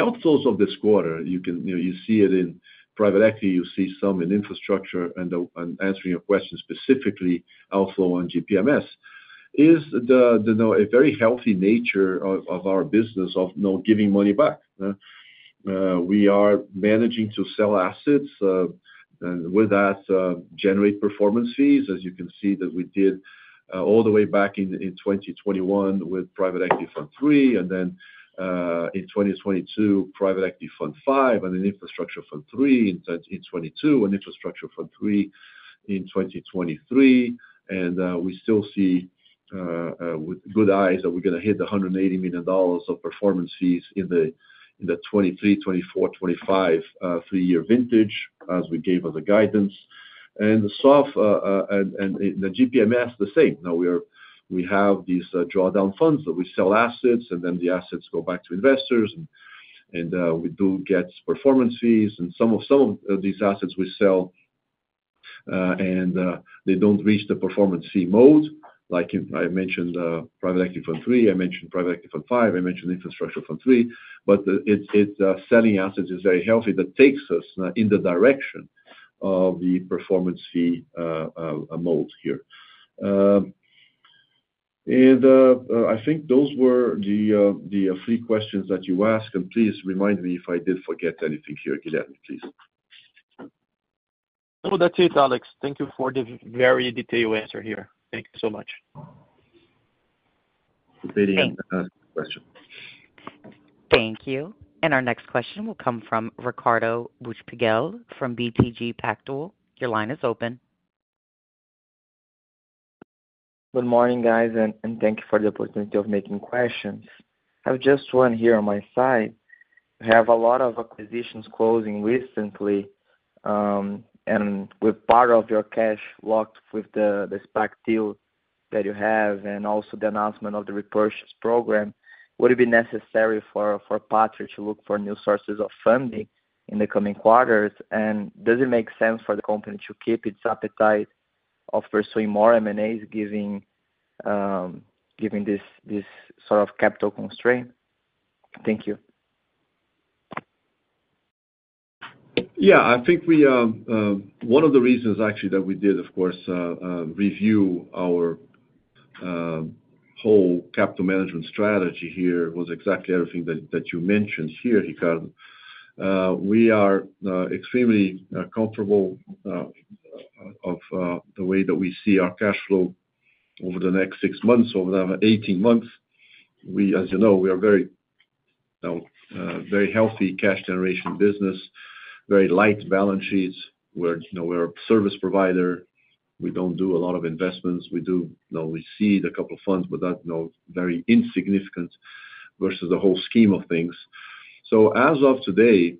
outflows of this quarter, you see it in private equity, you see some in infrastructure, and answering your question specifically, outflow on GPMS is a very healthy nature of our business of giving money back. We are managing to sell assets and with that generate performance fees, as you can see that we did all the way back in 2021 with Private Equity Fund III, and then in 2022, Private Equity Fund V, and an Infrastructure Fund III in 2022, an Infrastructure Fund III in 2023. And we still see with good eyes that we're going to hit the $180 million of performance fees in the 2023, 2024, 2025 three-year vintage as we gave us the guidance. And the SOF and the GPMS the same. Now we have these drawdown funds that we sell assets, and then the assets go back to investors, and we do get performance fees. And some of these assets we sell, and they don't reach the performance fee mode. Like I mentioned Private Equity Fund III, I mentioned Private Equity Fund V, I mentioned Infrastructure Fund III. But it's selling assets is very healthy that takes us in the direction of the performance fee mode here. And I think those were the three questions that you asked. And please remind me if I did forget anything here, Guilherme, please. No, that's it, Alex. Thank you for the very detailed answer here. Thank you so much. Thank you. And our next question will come from Ricardo Buchpiguel from BTG Pactual. Your line is open. Good morning, guys, and thank you for the opportunity of making questions. I have just one here on my side. We have a lot of acquisitions closing recently, and with part of your cash locked with the SPAC deal that you have and also the announcement of the repurchase program, would it be necessary for Patria to look for new sources of funding in the coming quarters? And does it make sense for the company to keep its appetite of pursuing more M&As given this sort of capital constraint? Thank you. Yeah, I think one of the reasons actually that we did, of course, review our whole capital management strategy here was exactly everything that you mentioned here, Ricardo. We are extremely comfortable with the way that we see our cash flow over the next six months, over the 18 months. As you know, we are a very healthy cash generation business, very light balance sheets. We're a service provider. We don't do a lot of investments. We see a couple of funds, but that's very insignificant versus the whole scheme of things. So as of today,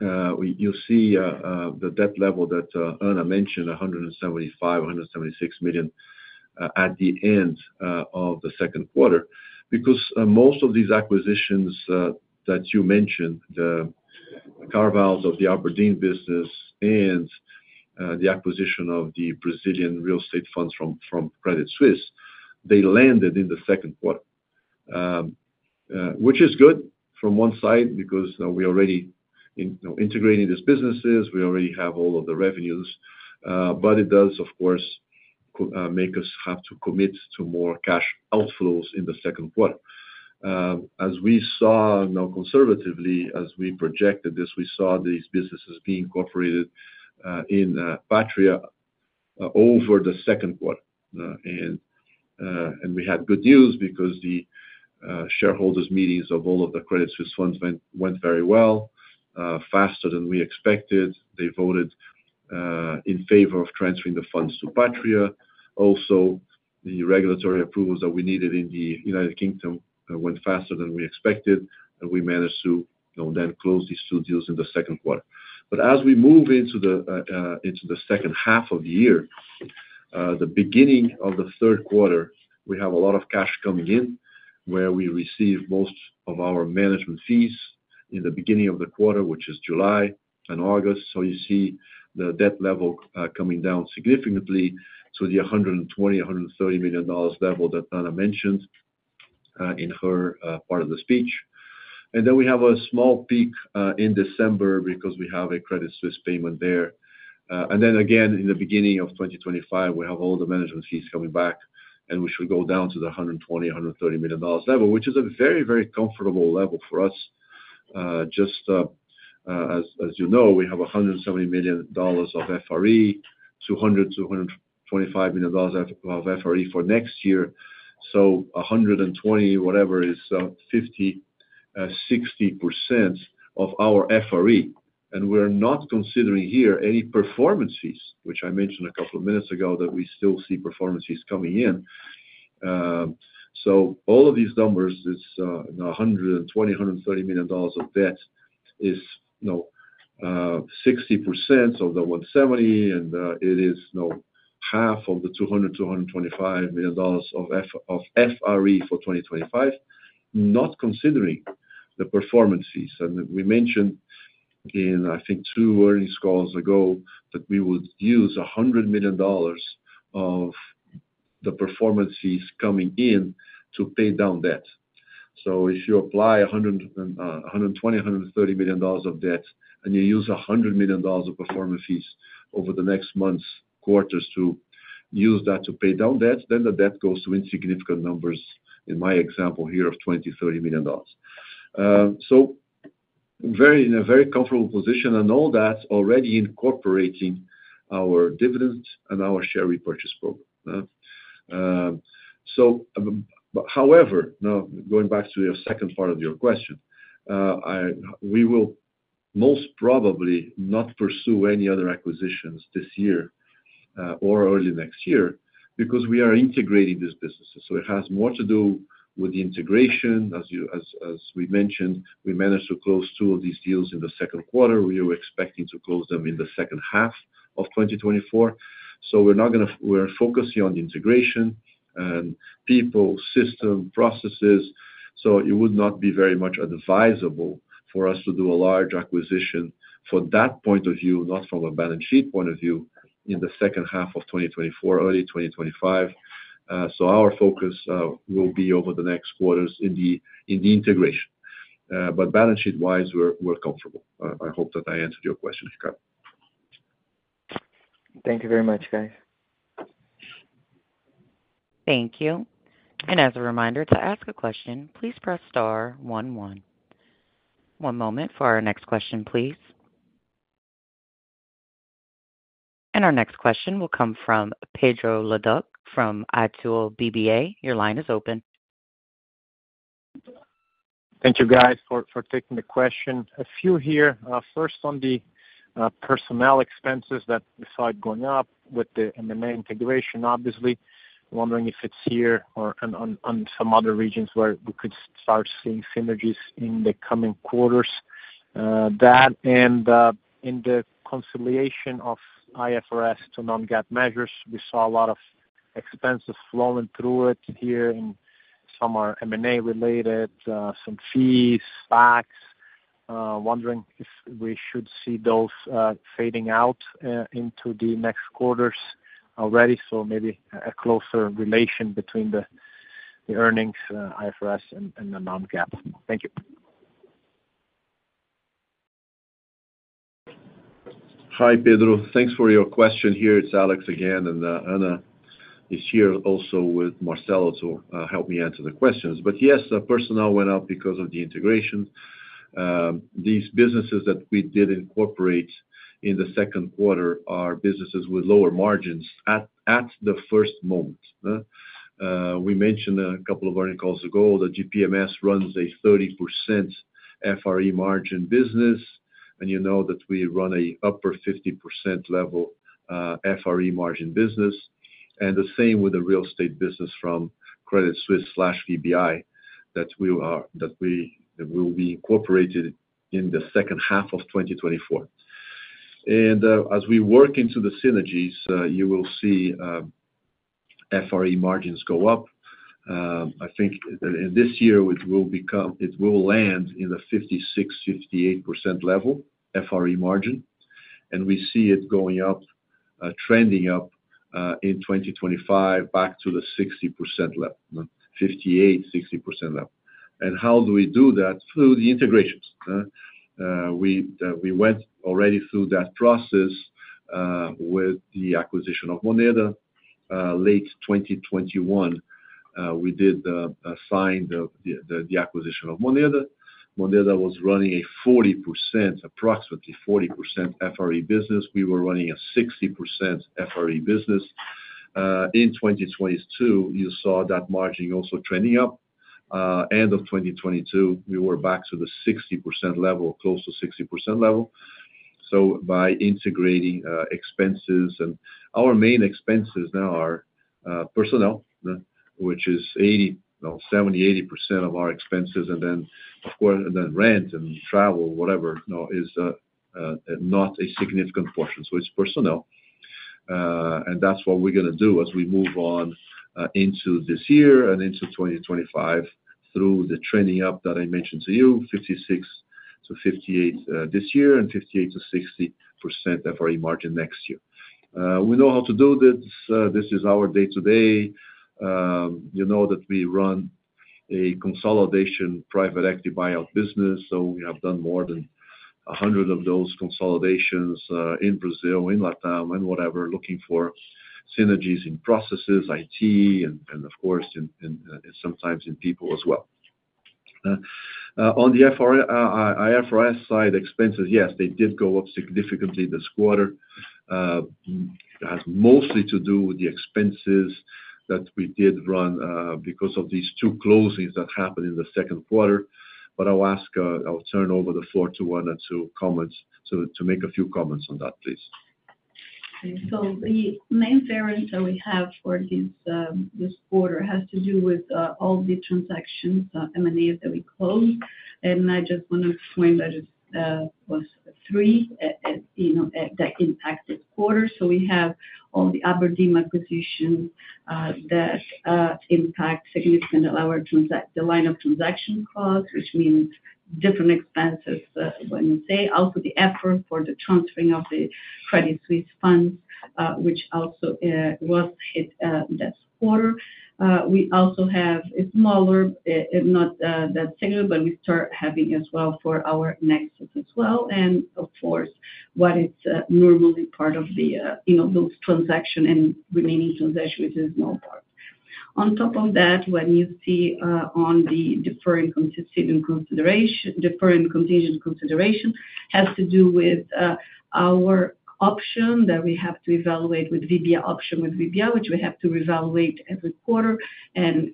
you see the debt level that Ana mentioned, $175 million-$176 million at the end of the second quarter. Because most of these acquisitions that you mentioned, the carve-outs of the abrdn business and the acquisition of the Brazilian real estate funds from Credit Suisse, they landed in the second quarter, which is good from one side because we're already integrating these businesses. We already have all of the revenues. But it does, of course, make us have to commit to more cash outflows in the second quarter. As we saw conservatively, as we projected this, we saw these businesses being incorporated in Patria over the second quarter. We had good news because the shareholders' meetings of all of the Credit Suisse funds went very well, faster than we expected. They voted in favor of transferring the funds to Patria. Also, the regulatory approvals that we needed in the United Kingdom went faster than we expected. And we managed to then close these two deals in the second quarter. But as we move into the second half of the year, the beginning of the third quarter, we have a lot of cash coming in where we receive most of our management fees in the beginning of the quarter, which is July and August. So you see the debt level coming down significantly to the $120 million-$130 million level that Ana mentioned in her part of the speech. And then we have a small peak in December because we have a Credit Suisse payment there. And then again, in the beginning of 2025, we have all the management fees coming back, and we should go down to the $120 million-$130 million level, which is a very, very comfortable level for us. Just as you know, we have $170 million of FRE, $200 million-$225 million of FRE for next year. So $120 million, whatever is 50%-60% of our FRE. And we're not considering here any performance fees, which I mentioned a couple of minutes ago that we still see performance fees coming in. So all of these numbers, $120 million-$130 million of debt is 60% of the $170 million, and it is half of the $200 million-$225 million of FRE for 2025, not considering the performance fees. And we mentioned in, I think, two earnings calls ago that we would use $100 million of the performance fees coming in to pay down debt. So if you apply $120 million-$130 million of debt and you use $100 million of performance fees over the next months, quarters to use that to pay down debt, then the debt goes to insignificant numbers in my example here of $20 million-$30 million. So we're in a very comfortable position and all that already incorporating our dividends and our share repurchase program. So however, now going back to your second part of your question, we will most probably not pursue any other acquisitions this year or early next year because we are integrating these businesses. So it has more to do with the integration. As we mentioned, we managed to close two of these deals in the second quarter. We were expecting to close them in the second half of 2024. So we're focusing on the integration and people, system processes. So it would not be very much advisable for us to do a large acquisition from that point of view, not from a balance sheet point of view in the second half of 2024, early 2025. So our focus will be over the next quarters in the integration. But balance sheet-wise, we're comfortable. I hope that I answered your question, Ricardo. Thank you very much, guys. Thank you. And as a reminder to ask a question, please press star one one. One moment for our next question, please. And our next question will come from Pedro Leduc from Itaú BBA. Your line is open. Thank you, guys, for taking the question. A few here. First, on the personnel expenses that we saw going up with the M&A integration, obviously. Wondering if it's here or in some other regions where we could start seeing synergies in the coming quarters. That, and in the reconciliation of IFRS to non-GAAP measures, we saw a lot of expenses flowing through it. Here, some are M&A related, some fees, SPACs. Wondering if we should see those fading out into the next quarters already. So maybe a closer relation between the earnings, IFRS, and the non-GAAP. Thank you. Hi, Pedro. Thanks for your question here. It's Alex again, and Ana is here also with Marcelo to help me answer the questions. But yes, personnel went up because of the integration. These businesses that we did incorporate in the second quarter are businesses with lower margins at the first moment. We mentioned a couple of quarters ago that GPMS runs a 30% FRE margin business, and you know that we run an upper 50% level FRE margin business. The same with the real estate business from Credit Suisse/VBI that will be incorporated in the second half of 2024. As we work into the synergies, you will see FRE margins go up. I think this year it will land in the 56%-58% level FRE margin. We see it going up, trending up in 2025 back to the 60% level, 58%-60% level. How do we do that? Through the integrations. We went already through that process with the acquisition of Moneda. Late 2021, we did sign the acquisition of Moneda. Moneda was running a 40%, approximately 40% FRE business. We were running a 60% FRE business. In 2022, you saw that margin also trending up. End of 2022, we were back to the 60% level, close to 60% level. So by integrating expenses, and our main expenses now are personnel, which is 70%-80% of our expenses. And then, of course, rent and travel, whatever, is not a significant portion. So it's personnel. And that's what we're going to do as we move on into this year and into 2025 through the trending up that I mentioned to you, 56%-58% this year and 58%-60% FRE margin next year. We know how to do this. This is our day-to-day. You know that we run a consolidation private equity buyout business. So we have done more than 100 of those consolidations in Brazil, in LATAM, and whatever, looking for synergies in processes, IT, and of course, sometimes in people as well. On the IFRS side expenses, yes, they did go up significantly this quarter. It has mostly to do with the expenses that we did run because of these two closings that happened in the second quarter. But I'll turn over the floor to Ana to make a few comments on that, please. So the main variance that we have for this quarter has to do with all the transactions, M&As that we closed. And I just want to point out that it was three that impacted quarter. So we have all the abrdn acquisitions that impact significantly our line of transaction costs, which means different expenses when we say. Also the effort for the transferring of the Credit Suisse funds, which also was hit this quarter. We also have a smaller, not that significant, but we start having as well for our Nexus as well. And of course, what is normally part of those transactions and remaining transactions, which is normal. On top of that, when you see on the deferred contingent consideration, has to do with our option that we have to evaluate with VBI, option with VBI, which we have to evaluate every quarter.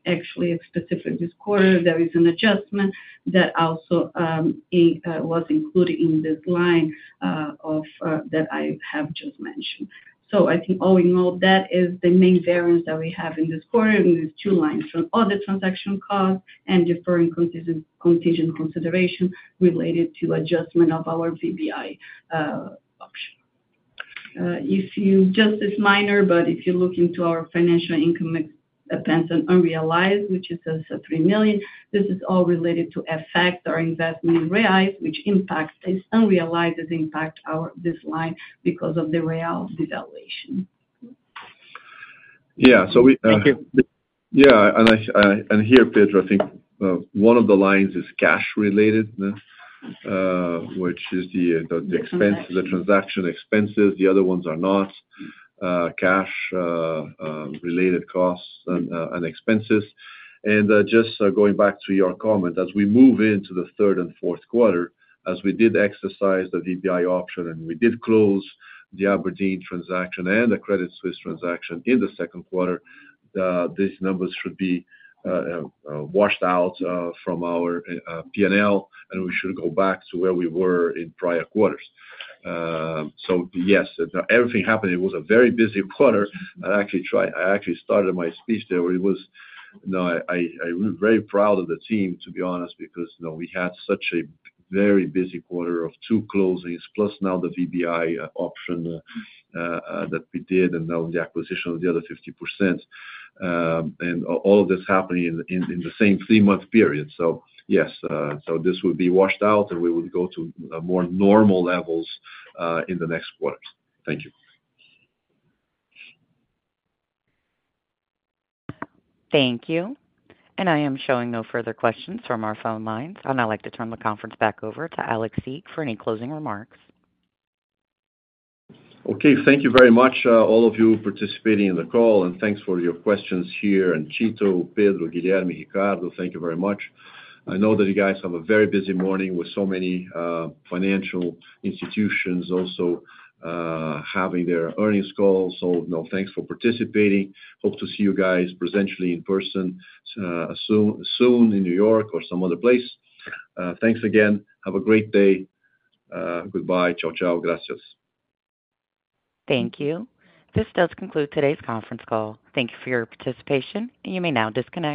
Actually, specifically this quarter, there is an adjustment that also was included in this line that I have just mentioned. So I think all in all, that is the main variance that we have in this quarter in these two lines from all the transaction costs and deferred contingent consideration related to adjustment of our VBI option. Just this minor, but if you look into our financial income expense and unrealized, which is $3 million, this is all related to effect of our investment in reais, which impacts this unrealized as impact this line because of the reais devaluation. Yeah. Yeah. Here, Pedro, I think one of the lines is cash related, which is the expenses, the transaction expenses. The other ones are not cash-related costs and expenses. And just going back to your comment, as we move into the third and fourth quarter, as we did exercise the VBI option and we did close the abrdn transaction and the Credit Suisse transaction in the second quarter, these numbers should be washed out from our P&L and we should go back to where we were in prior quarters. So yes, everything happened. It was a very busy quarter. I actually started my speech there. I'm very proud of the team, to be honest, because we had such a very busy quarter of two closings, plus now the VBI option that we did and now the acquisition of the other 50%. And all of this happening in the same three-month period. So yes, so this would be washed out and we would go to more normal levels in the next quarter. Thank you. Thank you. I am showing no further questions from our phone lines. I'd like to turn the conference back over to Alex for any closing remarks. Okay. Thank you very much, all of you participating in the call. And thanks for your questions here. And Tito, Pedro, Guilherme, Ricardo, thank you very much. I know that you guys have a very busy morning with so many financial institutions also having their earnings calls. So thanks for participating. Hope to see you guys presently in person soon in New York or some other place. Thanks again. Have a great day. Goodbye. Ciao, ciao. Gracias. Thank you. This does conclude today's conference call. Thank you for your participation. You may now disconnect.